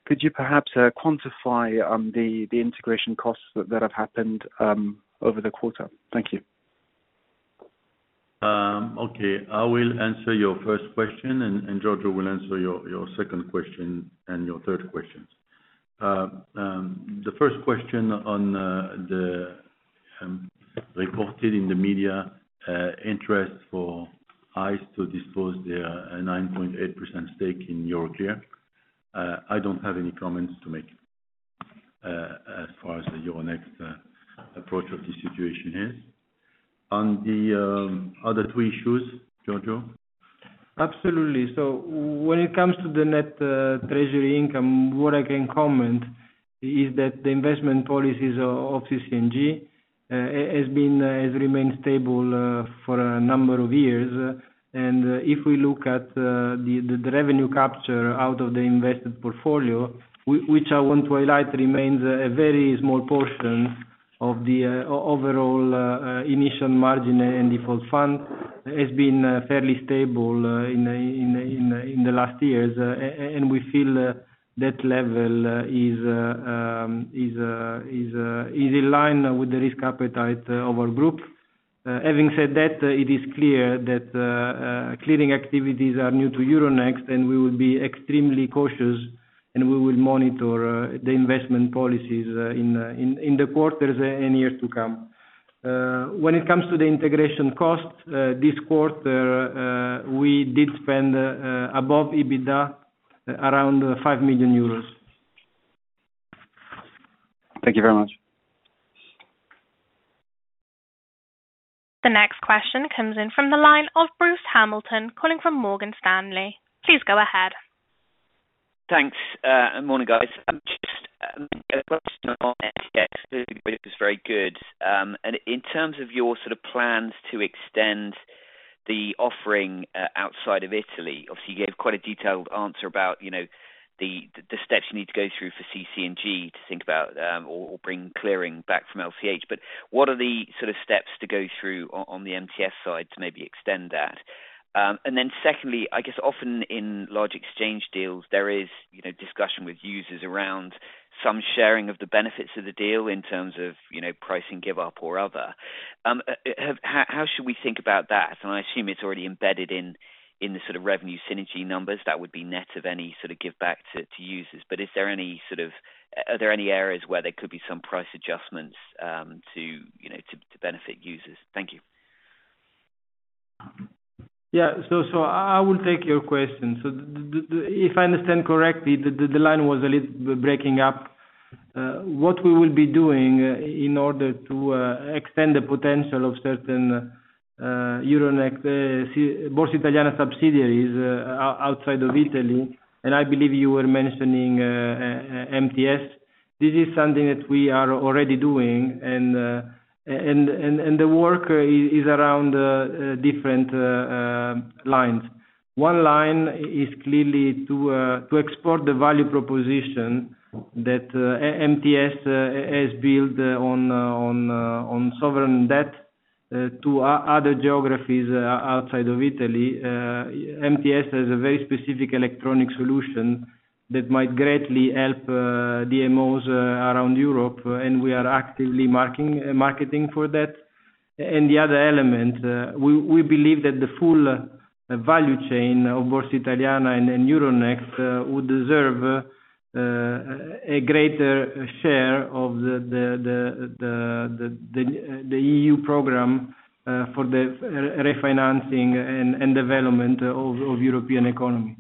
could you perhaps quantify the integration costs that have happened over the quarter? Thank you. Okay. I will answer your first question, and Giorgio will answer your second question and your third questions. The first question on reported in the media interest for ICE to dispose their 9.8% stake in Euroclear. I don't have any comments to make as far as Euronext approach of the situation is. On the other three issues, Giorgio? Absolutely. When it comes to the net treasury income, what I can comment is that the investment policies of CC&G has remained stable for a number of years. If we look at the revenue capture out of the invested portfolio, which I want to highlight remains a very small portion of the overall initial margin and default fund, has been fairly stable in the last years. We feel that level is in line with the risk appetite of our group. Having said that, it is clear that clearing activities are new to Euronext, and we will be extremely cautious, and we will monitor the investment policies in the quarters and years to come. When it comes to the integration costs, this quarter, we did spend above EBITDA around 5 million euros. Thank you very much. The next question comes in from the line of Bruce Hamilton, calling from Morgan Stanley. Please go ahead. Thanks. Morning, guys. Just a question on was very good. In terms of your plans to extend the offering outside of Italy, obviously you gave quite a detailed answer about the steps you need to go through for CC&G to think about or bring clearing back from LCH. What are the steps to go through on the MTS side to maybe extend that? Secondly, I guess often in large exchange deals, there is discussion with users around some sharing of the benefits of the deal in terms of pricing give up or other. How should we think about that? I assume it's already embedded in the revenue synergy numbers that would be net of any sort of give back to users. Are there any areas where there could be some price adjustments to benefit users? Thank you. Yeah. I will take your question. If I understand correctly, the line was a little breaking up, what we will be doing in order to extend the potential of certain Euronext Borsa Italiana subsidiaries outside of Italy, and I believe you were mentioning MTS. This is something that we are already doing, and the work is around different lines. One line is clearly to export the value proposition that MTS has built on sovereign debt to other geographies outside of Italy. MTS has a very specific electronic solution that might greatly help DMOs around Europe, and we are actively marketing for that. The other element, we believe that the full value chain of Borsa Italiana and Euronext would deserve a greater share of the EU program for the refinancing and development of European economy.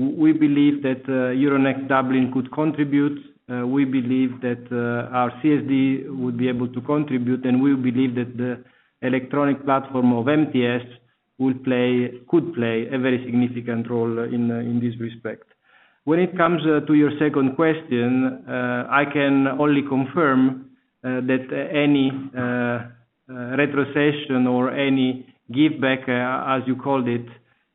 We believe that Euronext Dublin could contribute. We believe that our CSD would be able to contribute, and we believe that the electronic platform of MTS could play a very significant role in this respect. When it comes to your second question, I can only confirm that any retrocession or any giveback, as you called it,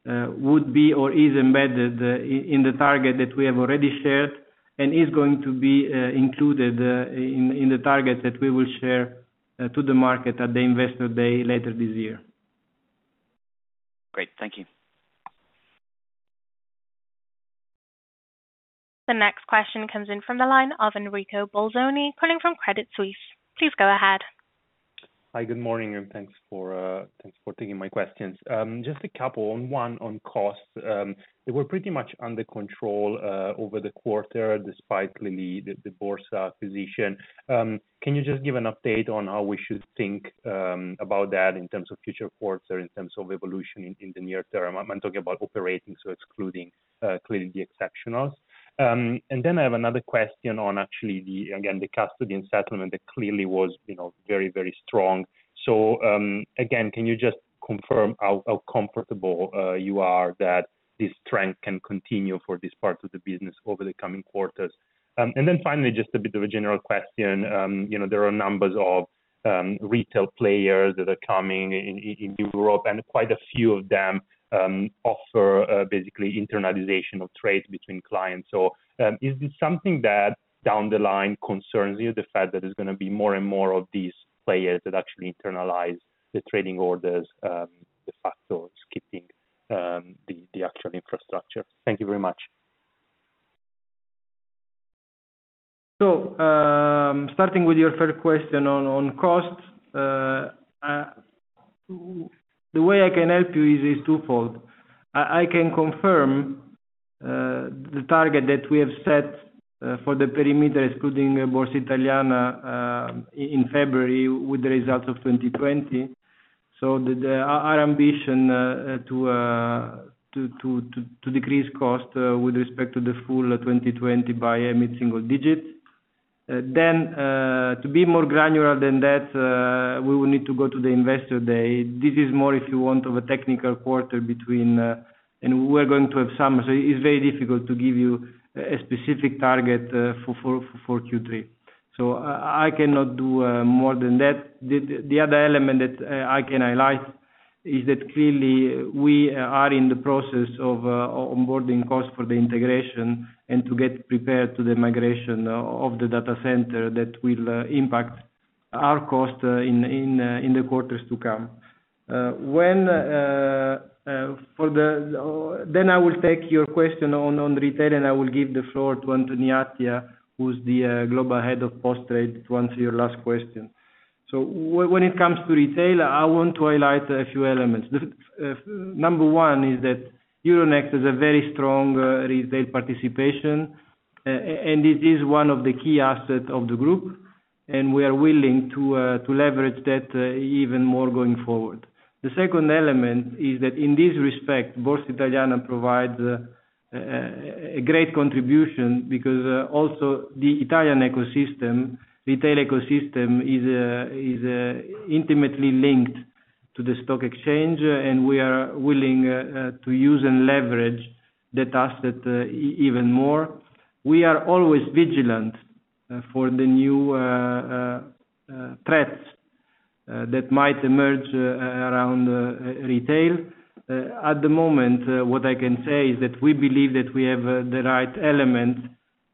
would be or is embedded in the target that we have already shared and is going to be included in the target that we will share to the market at the investor day later this year. Great. Thank you. The next question comes in from the line of Enrico Bolzoni, calling from Credit Suisse. Please go ahead. Hi, good morning. Thanks for taking my questions. Just a couple. One on costs. They were pretty much under control over the quarter, despite clearly the Borsa position. Can you just give an update on how we should think about that in terms of future quarter, in terms of evolution in the near term? I'm talking about operating, so excluding clearly the exceptionals. I have another question on actually, again, the custody and settlement that clearly was very strong. Again, can you just confirm how comfortable you are that this trend can continue for this part of the business over the coming quarters? Finally, just a bit of a general question. There are numbers of retail players that are coming in Europe, and quite a few of them offer basically internalization of trades between clients. Is this something that down the line concerns you, the fact that there's going to be more and more of these players that actually internalize the trading orders, de facto skipping the actual infrastructure? Thank you very much. Starting with your third question on costs. The way I can help you is twofold. I can confirm the target that we have set for the perimeter, excluding Borsa Italiana, in February with the results of 2020. Our ambition to decrease cost with respect to the full 2020 by mid-single digits. To be more granular than that, we will need to go to the investor day. This is more, if you want, of a technical quarter, so it's very difficult to give you a specific target for Q3. I cannot do more than that. The other element that I can highlight is that clearly we are in the process of onboarding costs for the integration and to get prepared to the migration of the data center that will impact our cost in the quarters to come. I will take your question on retail, and I will give the floor to Anthony Attia, who's the Global Head of Post Trade, to answer your last question. When it comes to retail, I want to highlight a few elements. Number one is that Euronext has a very strong retail participation, and it is one of the key assets of the group, and we are willing to leverage that even more going forward. The second element is that in this respect, Borsa Italiana provides a great contribution because also the Italian ecosystem, retail ecosystem, is intimately linked to the stock exchange, and we are willing to use and leverage that asset even more. We are always vigilant for the new threats that might emerge around retail. At the moment, what I can say is that we believe that we have the right elements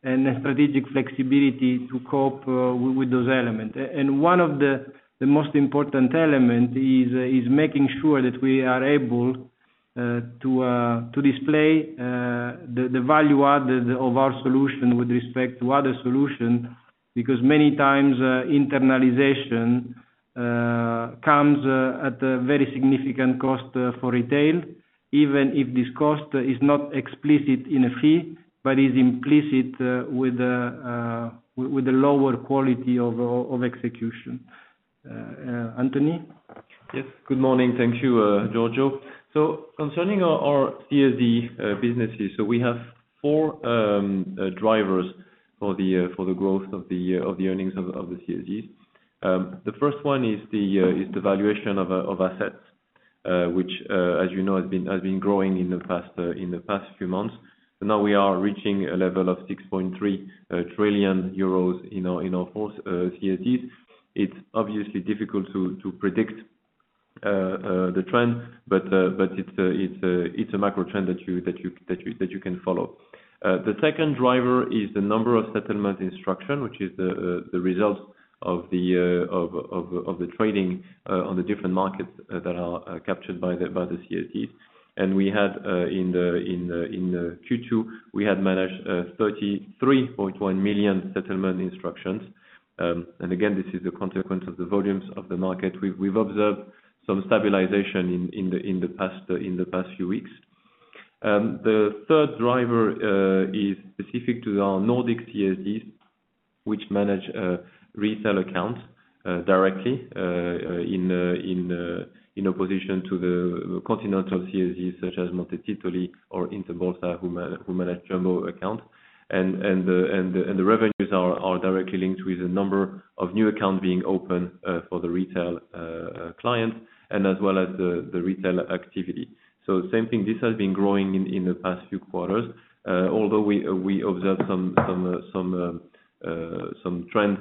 and strategic flexibility to cope with those elements. One of the most important element is making sure that we are able to display the value added of our solution with respect to other solution, because many times internalization comes at a very significant cost for retail, even if this cost is not explicit in a fee, but is implicit with the lower quality of execution. Anthony? Yes. Good morning. Thank you, Giorgio. Concerning our CSD businesses, we have four drivers for the growth of the earnings of the CSDs. The first one is the valuation of assets, which as you know, has been growing in the past few months. Now we are reaching a level of 6.3 trillion euros in our four CSDs. It's obviously difficult to predict the trend, but it's a macro trend that you can follow. The second driver is the number of settlement instruction, which is the result of the trading on the different markets that are captured by the CSD. In the Q2, we had managed 33.1 million settlement instructions. Again, this is a consequence of the volumes of the market. We've observed some stabilization in the past few weeks. The third driver is specific to our Nordic CSDs, which manage retail accounts directly in opposition to the continental CSDs such as Monte Titoli or Interbolsa, who manage general account. The revenues are directly linked with the number of new accounts being opened for the retail clients and as well as the retail activity. Same thing, this has been growing in the past few quarters. We observed some trends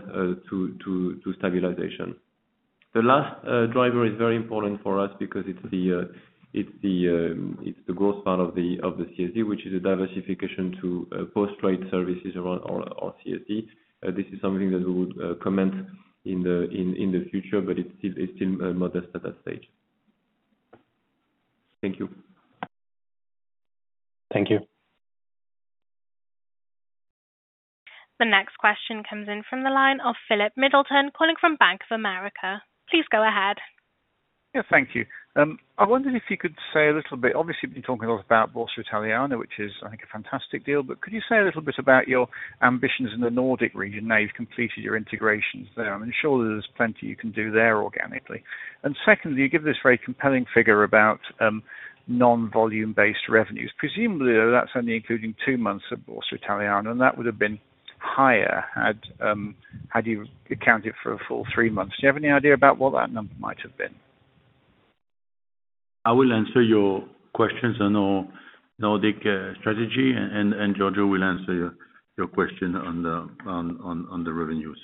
to stabilization. The last driver is very important for us because it's the growth part of the CSD, which is a diversification to post-trade services around our CSD. This is something that we would comment in the future, but it's still modest at that stage. Thank you. Thank you. The next question comes in from the line of Philip Middleton calling from Bank of America. Please go ahead. Yeah, thank you. I wondered if you could say a little bit, obviously you've been talking a lot about Borsa Italiana, which is, I think, a fantastic deal, but could you say a little bit about your ambitions in the Nordic region now you've completed your integrations there? I'm sure that there's plenty you can do there organically. Secondly, you give this very compelling figure about non-volume-based revenues. Presumably, though, that's only including two months of Borsa Italiana, and that would have been higher had you accounted for a full three months. Do you have any idea about what that number might have been? I will answer your questions on our Nordic strategy. Giorgio will answer your question on the revenues.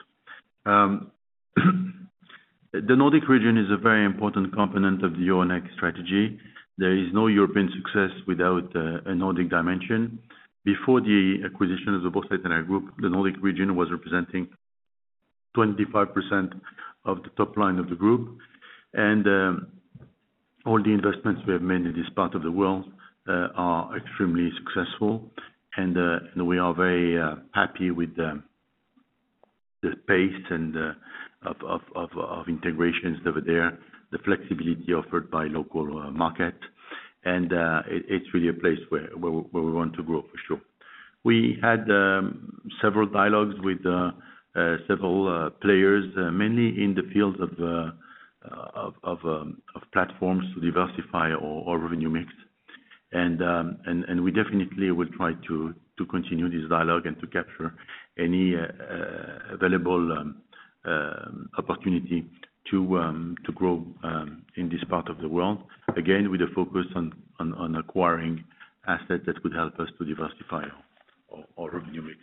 The Nordic region is a very important component of the Euronext strategy. There is no European success without a Nordic dimension. Before the acquisition of the Borsa Italiana Group, the Nordic region was representing 25% of the top line of the group. All the investments we have made in this part of the world are extremely successful. We are very happy with the pace of integrations over there, the flexibility offered by local market. It's really a place where we want to grow for sure. We had several dialogues with several players, mainly in the field of platforms to diversify our revenue mix. We definitely will try to continue this dialogue and to capture any available opportunity to grow in this part of the world, again, with a focus on acquiring assets that would help us to diversify our revenue mix.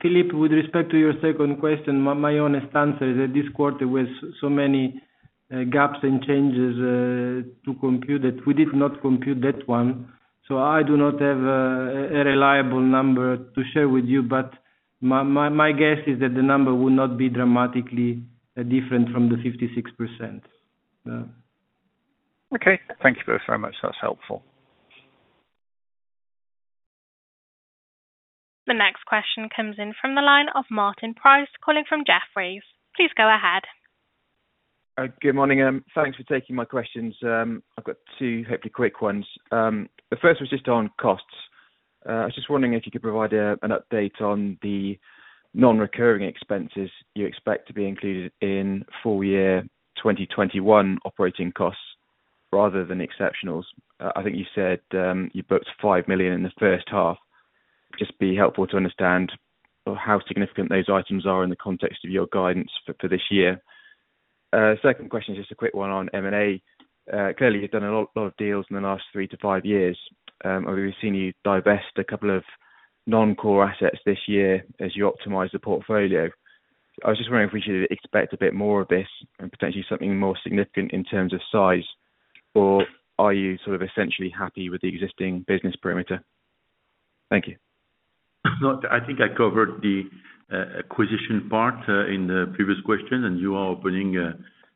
Philip, with respect to your second question, my honest answer is that this quarter, with so many gaps and changes to compute that we did not compute that one. I do not have a reliable number to share with you, but my guess is that the number will not be dramatically different from the 56%. Okay. Thank you both very much. That's helpful. The next question comes in from the line of Martin Price, calling from Jefferies. Please go ahead. Good morning. Thanks for taking my questions. I've got two hopefully quick ones. The first was just on costs. I was just wondering if you could provide an update on the non-recurring expenses you expect to be included in full-year 2021 operating costs rather than exceptionals. I think you said you booked 5 million in the first half. Just be helpful to understand how significant those items are in the context of your guidance for this year. Second question is just a quick one on M&A. Clearly, you've done a lot of deals in the last three to five years. We've seen you divest a couple of non-core assets this year as you optimize the portfolio. I was just wondering if we should expect a bit more of this and potentially something more significant in terms of size, or are you sort of essentially happy with the existing business perimeter? Thank you. I think I covered the acquisition part in the previous question, and you are opening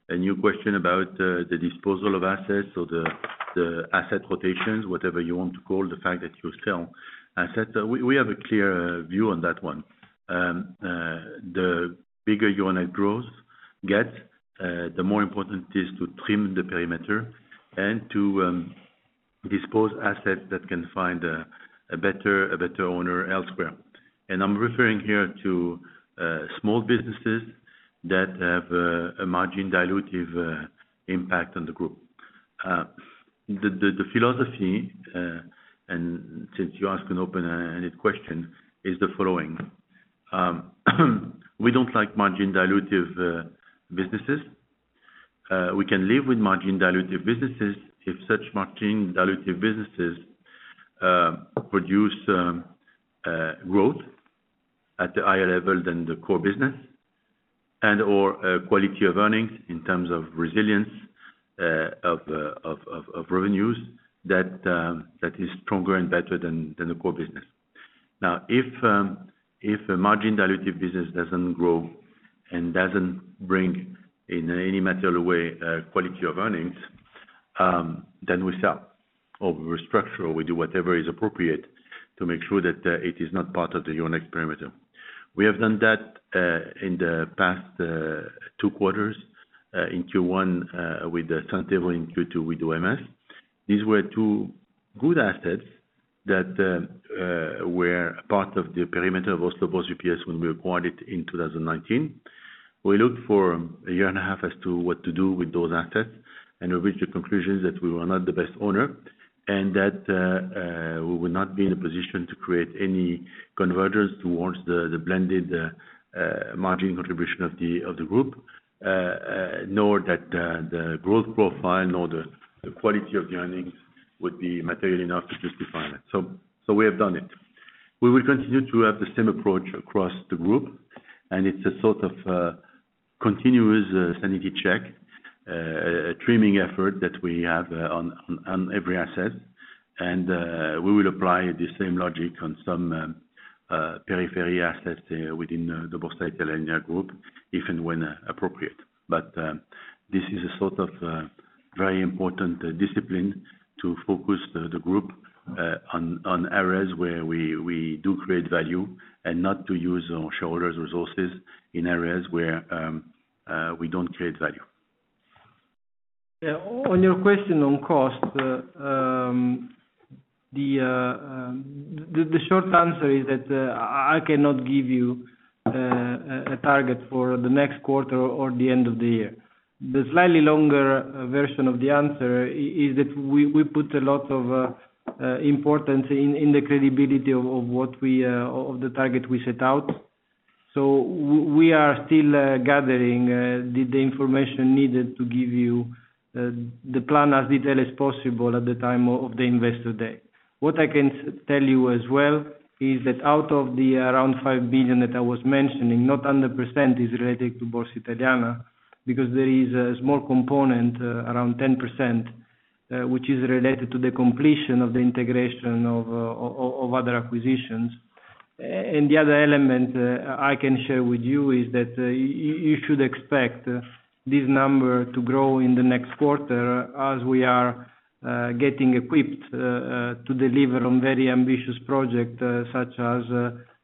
a new question about the disposal of assets or the asset rotations, whatever you want to call the fact that you sell assets. We have a clear view on that one. The bigger Euronext grows gets, the more important it is to trim the perimeter and toddispose assets that can find a better owner elsewhere. I'm referring here to small businesses that have a margin dilutive impact on the group. The philosophy, and since you asked an open-ended question, is the following. We don't like margin dilutive businesses. We can live with margin dilutive businesses, if such margin dilutive businesses produce growth at a higher level than the core business and/or quality of earnings in terms of resilience of revenues that is stronger and better than the core business. Now, if a margin dilutive business doesn't grow and doesn't bring in any material way, quality of earnings, then we sell or we restructure, or we do whatever is appropriate to make sure that it is not part of the Euronext perimeter. We have done that in the past two quarters, in Q1 with Centevo, in Q2 with OMS. These were two good assets that were part of the perimeter of Oslo Børs VPS when we acquired it in 2019. We looked for a year and a half as to what to do with those assets. We reached the conclusion that we were not the best owner and that we would not be in a position to create any convergence towards the blended margin contribution of the group, nor that the growth profile or the quality of the earnings would be material enough to justify it. We have done it. We will continue to have the same approach across the group. It's a sort of continuous sanity check, a trimming effort that we have on every asset. We will apply the same logic on some periphery assets within the Borsa Italiana Group, if and when appropriate. This is a sort of very important discipline to focus the group on areas where we do create value and not to use our shareholders' resources in areas where we don't create value. On your question on cost, the short answer is that I cannot give you a target for the next quarter or the end of the year. The slightly longer version of the answer is that we put a lot of importance in the credibility of the target we set out. We are still gathering the information needed to give you the plan as detailed as possible at the time of the Investor Day. What I can tell you as well is that out of the around 5 billion that I was mentioning, not 100% is related to Borsa Italiana, because there is a small component, around 10%, which is related to the completion of the integration of other acquisitions. The other element I can share with you is that you should expect this number to grow in the next quarter as we are getting equipped to deliver on very ambitious project, such as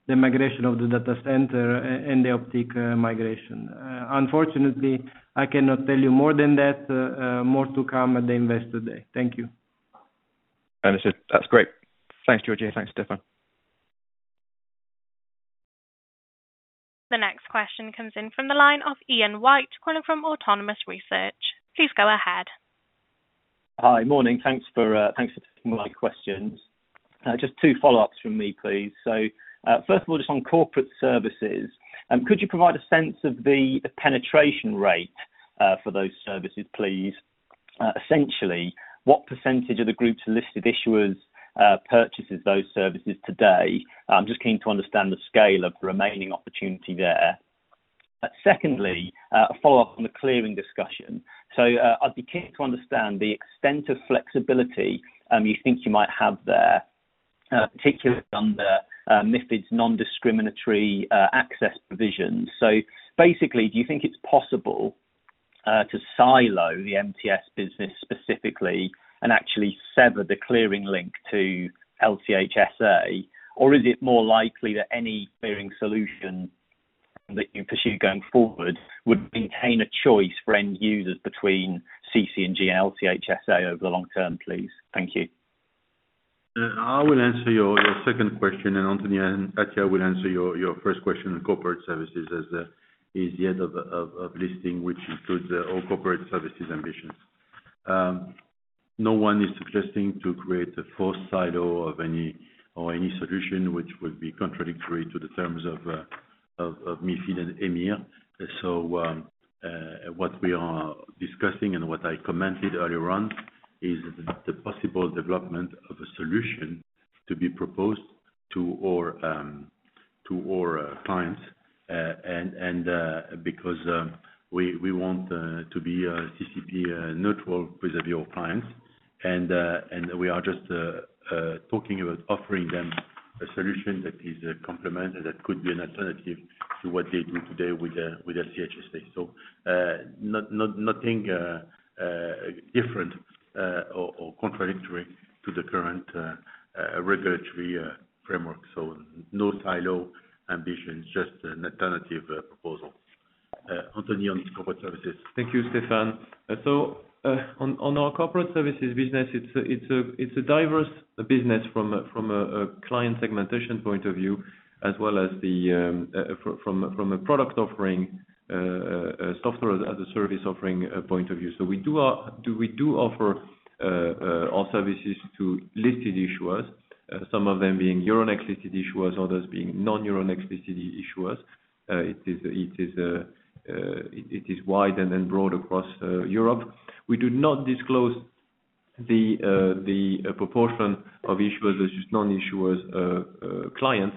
the migration of the data center and the Optiq migration. Unfortunately, I cannot tell you more than that. More to come at the Investor Day. Thank you. Understood. That's great. Thanks, Giorgio. Thanks, Stéphane. The next question comes in from the line of Ian White calling from Autonomous Research. Please go ahead. Hi. Morning. Thanks for taking my questions. Two follow-ups from me, please. First of all, just on corporate services, could you provide a sense of the penetration rate for those services, please? Essentially, what % of the group's listed issuers purchases those services today? I'm just keen to understand the scale of the remaining opportunity there. Secondly, a follow-up on the clearing discussion. I'd be keen to understand the extent of flexibility you think you might have there, particularly under MiFID's nondiscriminatory access provisions. Basically, do you think it's possible to silo the MTS business specifically and actually sever the clearing link to LCH SA? Is it more likely that any clearing solution that you pursue going forward would maintain a choice for end users between CC&G and LCH SA over the long term, please? Thank you. I will answer your second question, Anthony Attia will answer your first question on corporate services as it is the head of listing, which includes all corporate services ambitions. No one is suggesting to create a fourth silo of any solution which would be contradictory to the terms of MiFID and EMIR. What we are discussing and what I commented earlier on is the possible development of a solution to be proposed to all clients. Because we want to be a CCP neutral with your clients, and we are just talking about offering them a solution that is a complement, that could be an alternative to what they do today with LCH SA. Nothing different or contradictory to the current regulatory framework. No silo ambitions, just an alternative proposal. Anthony on his corporate services. Thank you, Stéphane Boujnah. On our corporate services business, it's a diverse business from a client segmentation point of view, as well as from a product offering, software as a service offering point of view. We do offer our services to listed issuers, some of them being Euronext listed issuers, others being non-Euronext listed issuers. It is wide and then broad across Europe. We do not disclose the proportion of issuers versus non-issuers clients.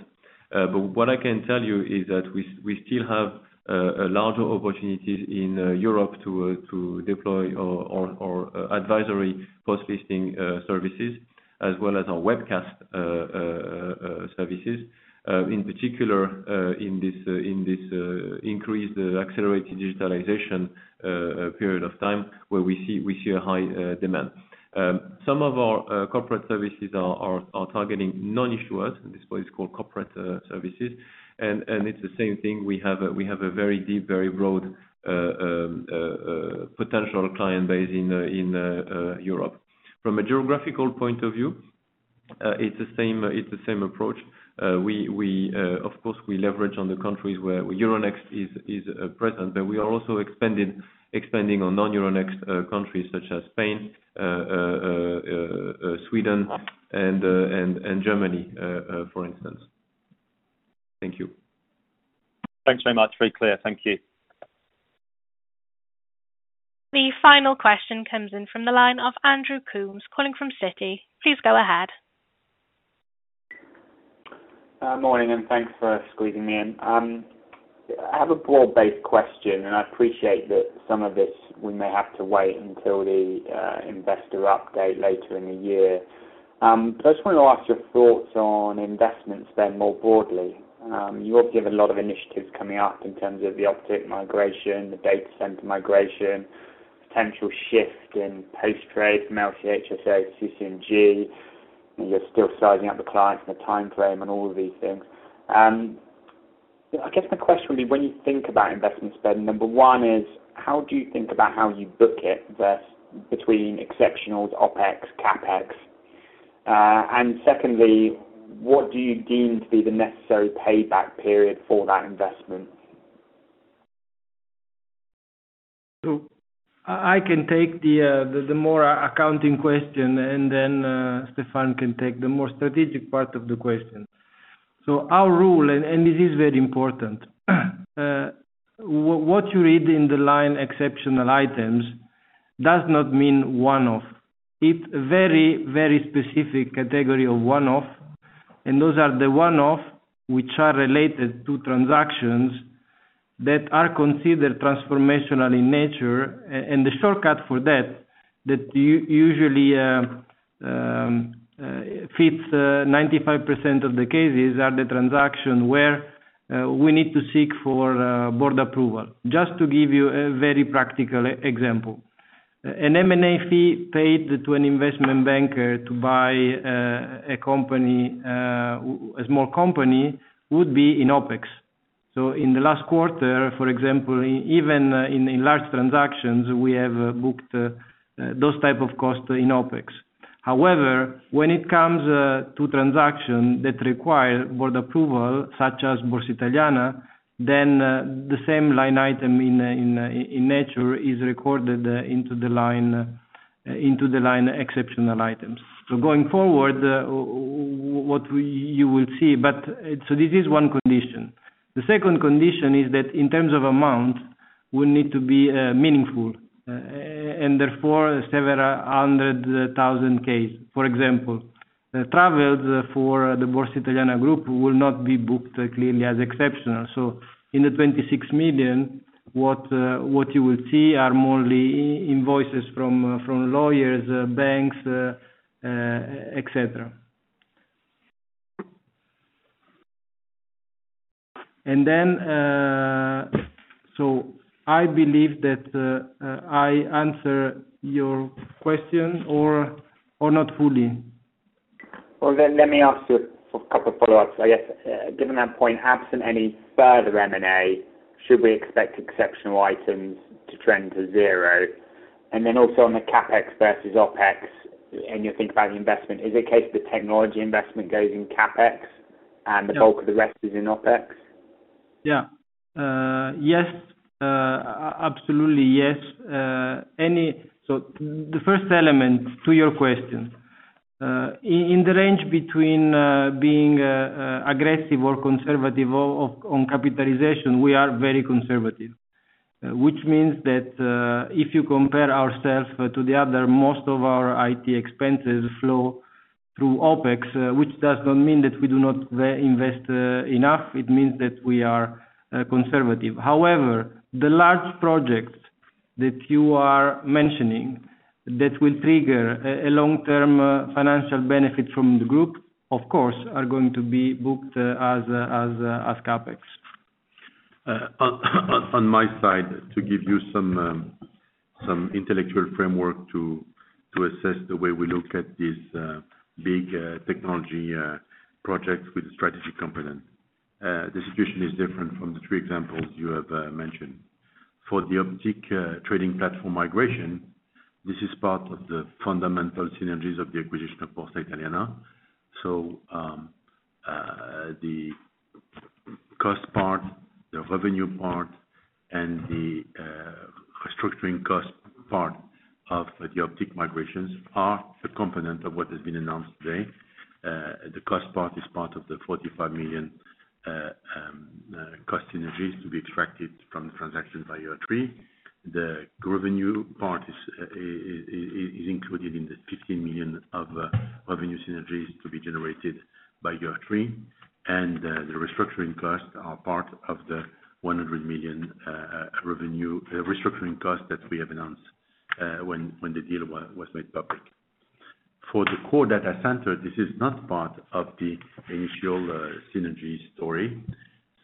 What I can tell you is that we still have larger opportunities in Europe to deploy our advisory post-listing services as well as our webcast services, in particular in this increased accelerated digitalization period of time where we see a high demand. Some of our corporate services are targeting non-issuers, and this is why it's called corporate services, and it's the same thing. We have a very deep, very broad potential client base in Europe. From a geographical point of view, it's the same approach. Of course, we leverage on the countries where Euronext is present, but we are also expanding on non-Euronext countries such as Spain, Sweden, and Germany, for instance. Thank you. Thanks very much. Very clear. Thank you. The final question comes in from the line of Andrew Coombs calling from Citi. Please go ahead. Morning, thanks for squeezing me in. I have a broad-based question, I appreciate that some of this we may have to wait until the investor update later in the year. I just wanted to ask your thoughts on investment spend more broadly. You obviously have a lot of initiatives coming up in terms of the Optiq migration, the data center migration, potential shift in post-trade from LCH to CC&G. You're still sizing up the clients and the timeframe and all of these things. I guess my question would be, when you think about investment spend, number one is, how do you think about how you book it versus between exceptionals, OpEx, CapEx? Secondly, what do you deem to be the necessary payback period for that investment? I can take the more accounting question, and then Stéphane can take the more strategic part of the question. Our rule, and this is very important. What you read in the line exceptional items does not mean one-off. It's a very specific category of one-off, and those are the one-off which are related to transactions that are considered transformational in nature, and the shortcut for that usually fits 95% of the cases are the transaction where we need to seek for board approval. Just to give you a very practical example. An M&A fee paid to an investment banker to buy a small company would be in OpEx. In the last quarter, for example, even in large transactions, we have booked those type of costs in OpEx. However, when it comes to transactions that require board approval, such as Borsa Italiana, then the same line item in nature is recorded into the line exceptional items. Going forward, what you will see, this is one condition. The second condition is that in terms of amount, will need to be meaningful, and therefore several hundred thousand EUR. For example, travels for the Borsa Italiana Group will not be booked clearly as exceptional. In the 26 million, what you will see are more the invoices from lawyers, banks, et cetera. I believe that I answer your question or not fully. Well, let me ask you a couple follow-ups. I guess, given that point, absent any further M&A, should we expect exceptional items to trend to zero? Also on the CapEx versus OpEx, and you think about the investment, is it a case that technology investment goes in CapEx and the bulk of the rest is in OpEx? Yeah. Yes. Absolutely yes. The first element to your question. In the range between being aggressive or conservative on capitalization, we are very conservative, which means that if you compare ourselves to the other, most of our IT expenses flow through OpEx, which does not mean that we do not invest enough. It means that we are conservative. However, the large projects that you are mentioning that will trigger a long-term financial benefit from the group, of course, are going to be booked as CapEx. On my side, to give you some intellectual framework to assess the way we look at these big technology projects with a strategic component. The situation is different from the three examples you have mentioned. For the Optiq trading platform migration, this is part of the fundamental synergies of the acquisition of Borsa Italiana. The cost part, the revenue part, and the restructuring cost part of the Optiq migrations are a component of what has been announced today. The cost part is part of the 45 million cost synergies to be extracted from the transaction by year three. The revenue part is included in the 15 million of revenue synergies to be generated by year three, and the restructuring costs are part of the 100 million restructuring cost that we have announced when the deal was made public. For the core data center, this is not part of the initial synergy story.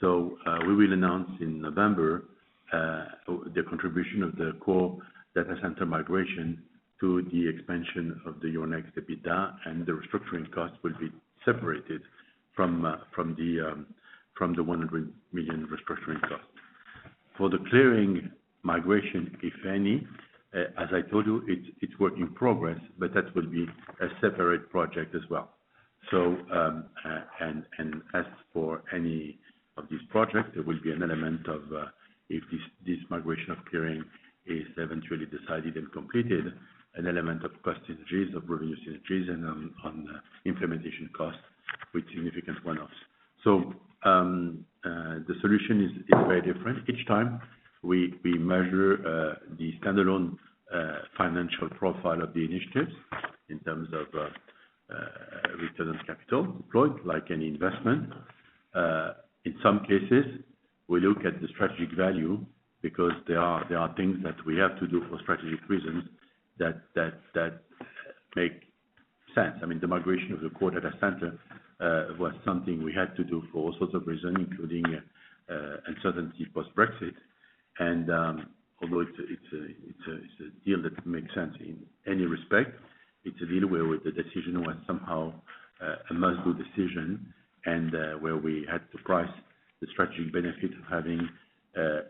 We will announce in November the contribution of the core data center migration to the expansion of the Euronext EBITDA, and the restructuring cost will be separated from the 100 million restructuring cost. For the clearing migration, if any, as I told you, it's work in progress, but that will be a separate project as well. As for any of these projects, there will be an element of, if this migration of clearing is eventually decided and completed, an element of cost synergies, of revenue synergies and on implementation costs with significant one-offs. The solution is very different. Each time we measure the standalone financial profile of the initiatives in terms of return on capital deployed, like any investment. In some cases, we look at the strategic value because there are things that we have to do for strategic reasons that make sense. I mean, the migration of the core data center was something we had to do for all sorts of reasons, including uncertainty post-Brexit. Although it's a deal that makes sense in any respect, it's a deal where the decision was somehow a must-do decision, and where we had to price the strategic benefit of having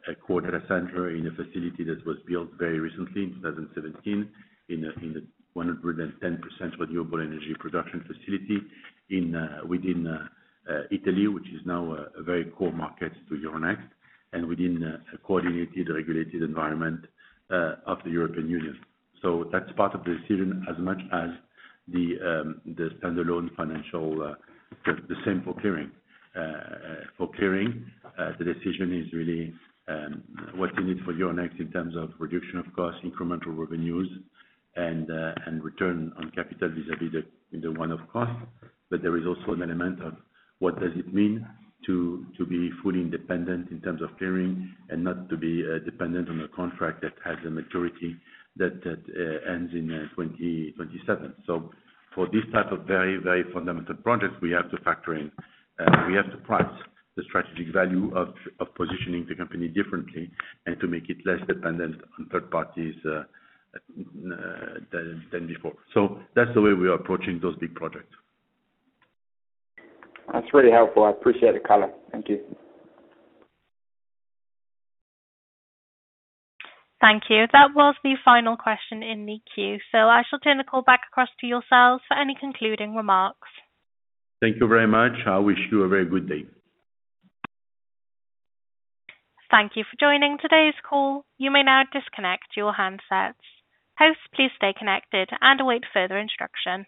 a core data center in a facility that was built very recently in 2017, in the 110% renewable energy production facility within Italy, which is now a very core market to Euronext, and within a coordinated, regulated environment of the European Union. That's part of the decision, as much as the standalone financial. The same for clearing. For clearing, the decision is really what we need for Euronext in terms of reduction of cost, incremental revenues, and return on capital vis-à-vis the one-off cost. There is also an element of what does it mean to be fully independent in terms of clearing and not to be dependent on a contract that has a maturity that ends in 2027. For this type of very fundamental project, we have to price the strategic value of positioning the company differently and to make it less dependent on third parties than before. That's the way we are approaching those big projects. That's really helpful. I appreciate the color. Thank you. Thank you. That was the final question in the queue. I shall turn the call back across to yourselves for any concluding remarks. Thank you very much. I wish you a very good day. Thank you for joining today's call. You may now disconnect your handsets. Hosts, please stay connected and await further instruction.